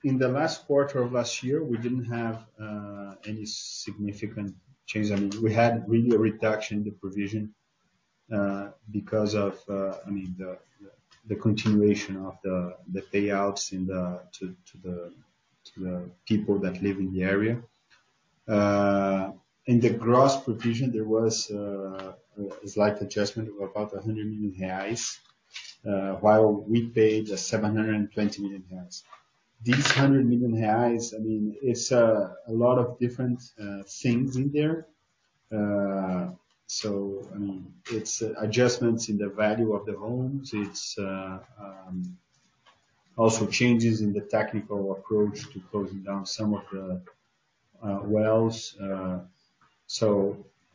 In the last quarter of last year, we didn't have any significant changes. I mean, we had really a reduction in the provision because of, I mean, the continuation of the payouts to the people that live in the area. In the gross provision, there was a slight adjustment of about 100 million reais, while we paid 720 million reais. These 100 million reais, I mean, it's a lot of different things in there. I mean, it's adjustments in the value of the homes. It's also changes in the technical approach to closing down some of the wells.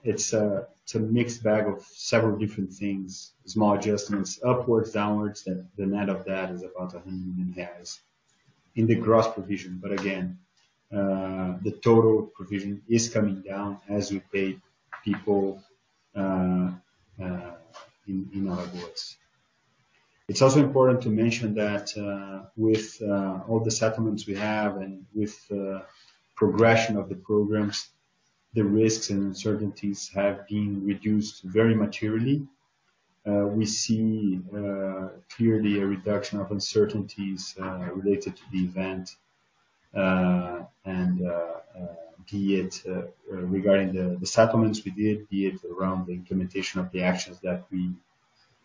It's a mixed bag of several different things. Small adjustments upwards, downwards, that the net of that is about 100 million reais in the gross provision. Again, the total provision is coming down as we pay people in Alagoas. It's also important to mention that with all the settlements we have and with the progression of the programs, the risks and uncertainties have been reduced very materially. We see clearly a reduction of uncertainties related to the event. Be it regarding the settlements we did, be it around the implementation of the actions that we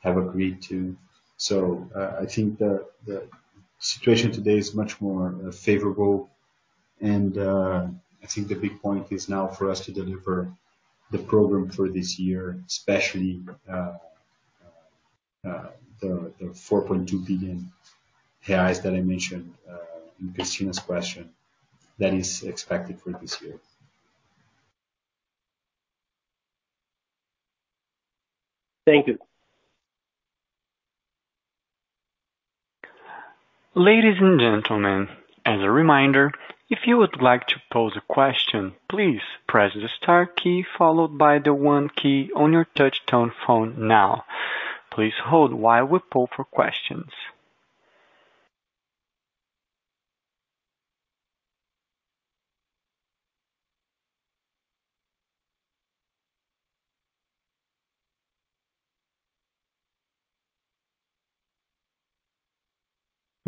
have agreed to. I think the situation today is much more favorable. I think the big point is now for us to deliver the program for this year, especially, the 4.2 billion reais that I mentioned, in Christina's question that is expected for this year. Thank you. Ladies and gentlemen, as a reminder, if you would like to pose a question, please press the star key followed by the one key on your touch tone phone now. Please hold while we poll for questions.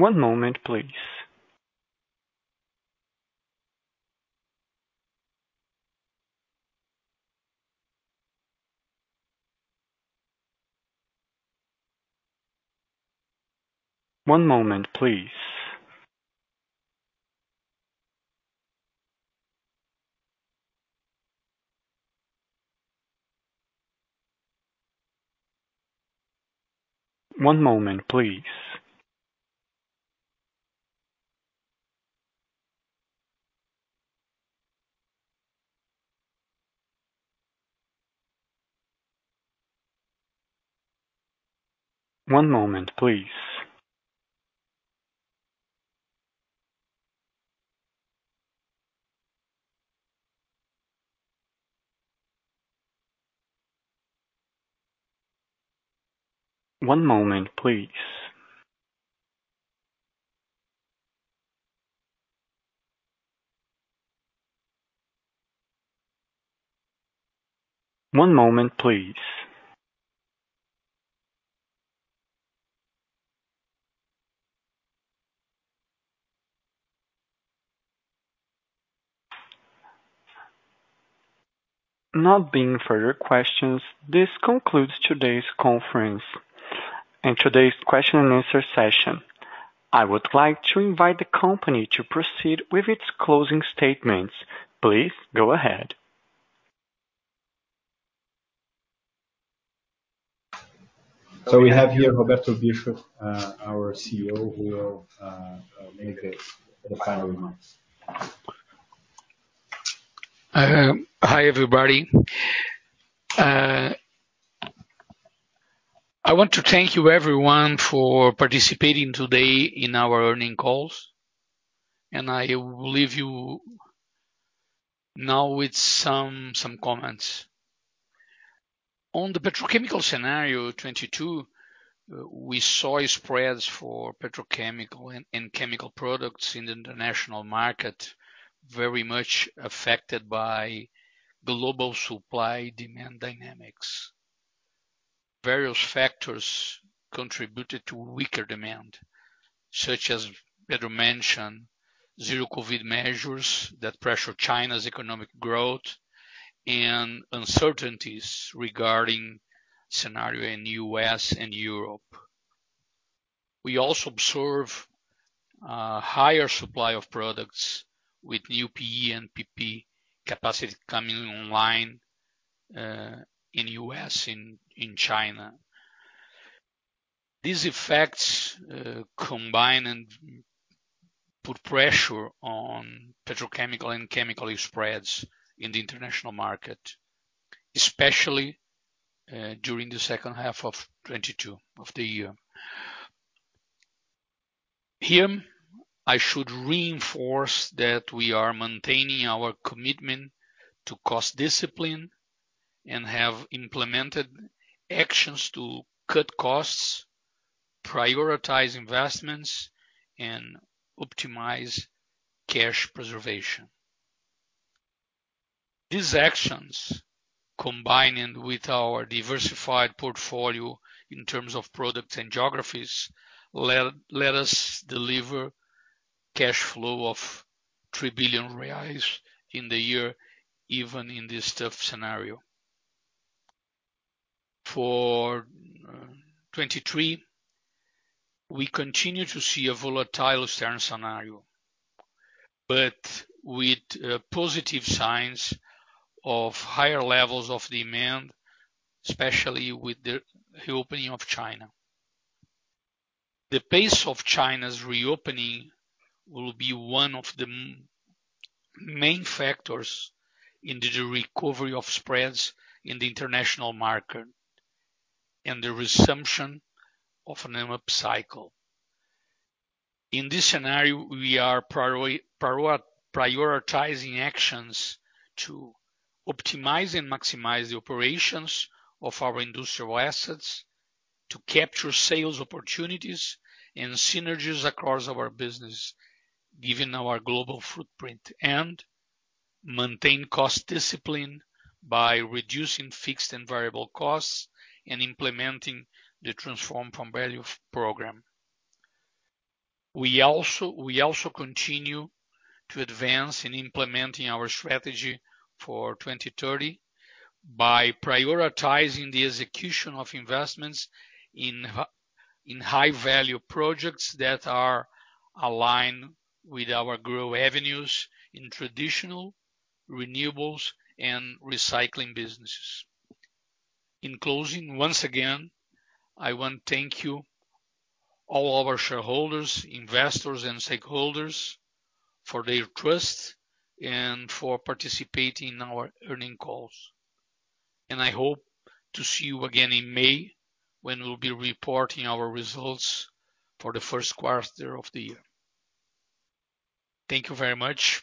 One moment, please. One moment, please. One moment, please. One moment, please. One moment, please. One moment, please. Not being further questions, this concludes today's conference and today's question and answer session. I would like to invite the company to proceed with its closing statements. Please go ahead. We have here Roberto Bischoff, our CEO, who will make the final remarks. Hi everybody. I want to thank you everyone for participating today in our earnings calls. I will leave you now with some comments. On the petrochemical scenario 2022, we saw spreads for petrochemical and chemical products in the international market very much affected by global supply demand dynamics. Various factors contributed to weaker demand, such as Pedro mentioned, zero-COVID measures that pressured China's economic growth and uncertainties regarding scenario in U.S. and Europe. We also observe higher supply of products with new PE and PP capacity coming online in U.S. and in China. These effects combine and put pressure on petrochemical and chemical spreads in the international market, especially during the second half of 2022 of the year. Here, I should reinforce that we are maintaining our commitment to cost discipline and have implemented actions to cut costs, prioritize investments, and optimize cash preservation. These actions, combining with our diversified portfolio in terms of products and geographies, let us deliver cash flow of 3 billion reais in the year, even in this tough scenario. For 2023, we continue to see a volatile external scenario, but with positive signs of higher levels of demand, especially with the reopening of China. The pace of China's reopening will be one of the main factors in the recovery of spreads in the international market and the resumption of an upcycle. In this scenario, we are prioritizing actions to optimize and maximize the operations of our industrial assets to capture sales opportunities and synergies across our business, given our global footprint and maintain cost discipline by reducing fixed and variable costs and implementing the Transform for Value program. We also continue to advance in implementing our strategy for 2030 by prioritizing the execution of investments in high value projects that are aligned with our growth avenues in traditional renewables and recycling businesses. In closing, once again, I want to thank you, all our shareholders, investors and stakeholders for their trust and for participating in our earning calls. I hope to see you again in May when we'll be reporting our results for the first quarter of the year. Thank you very much.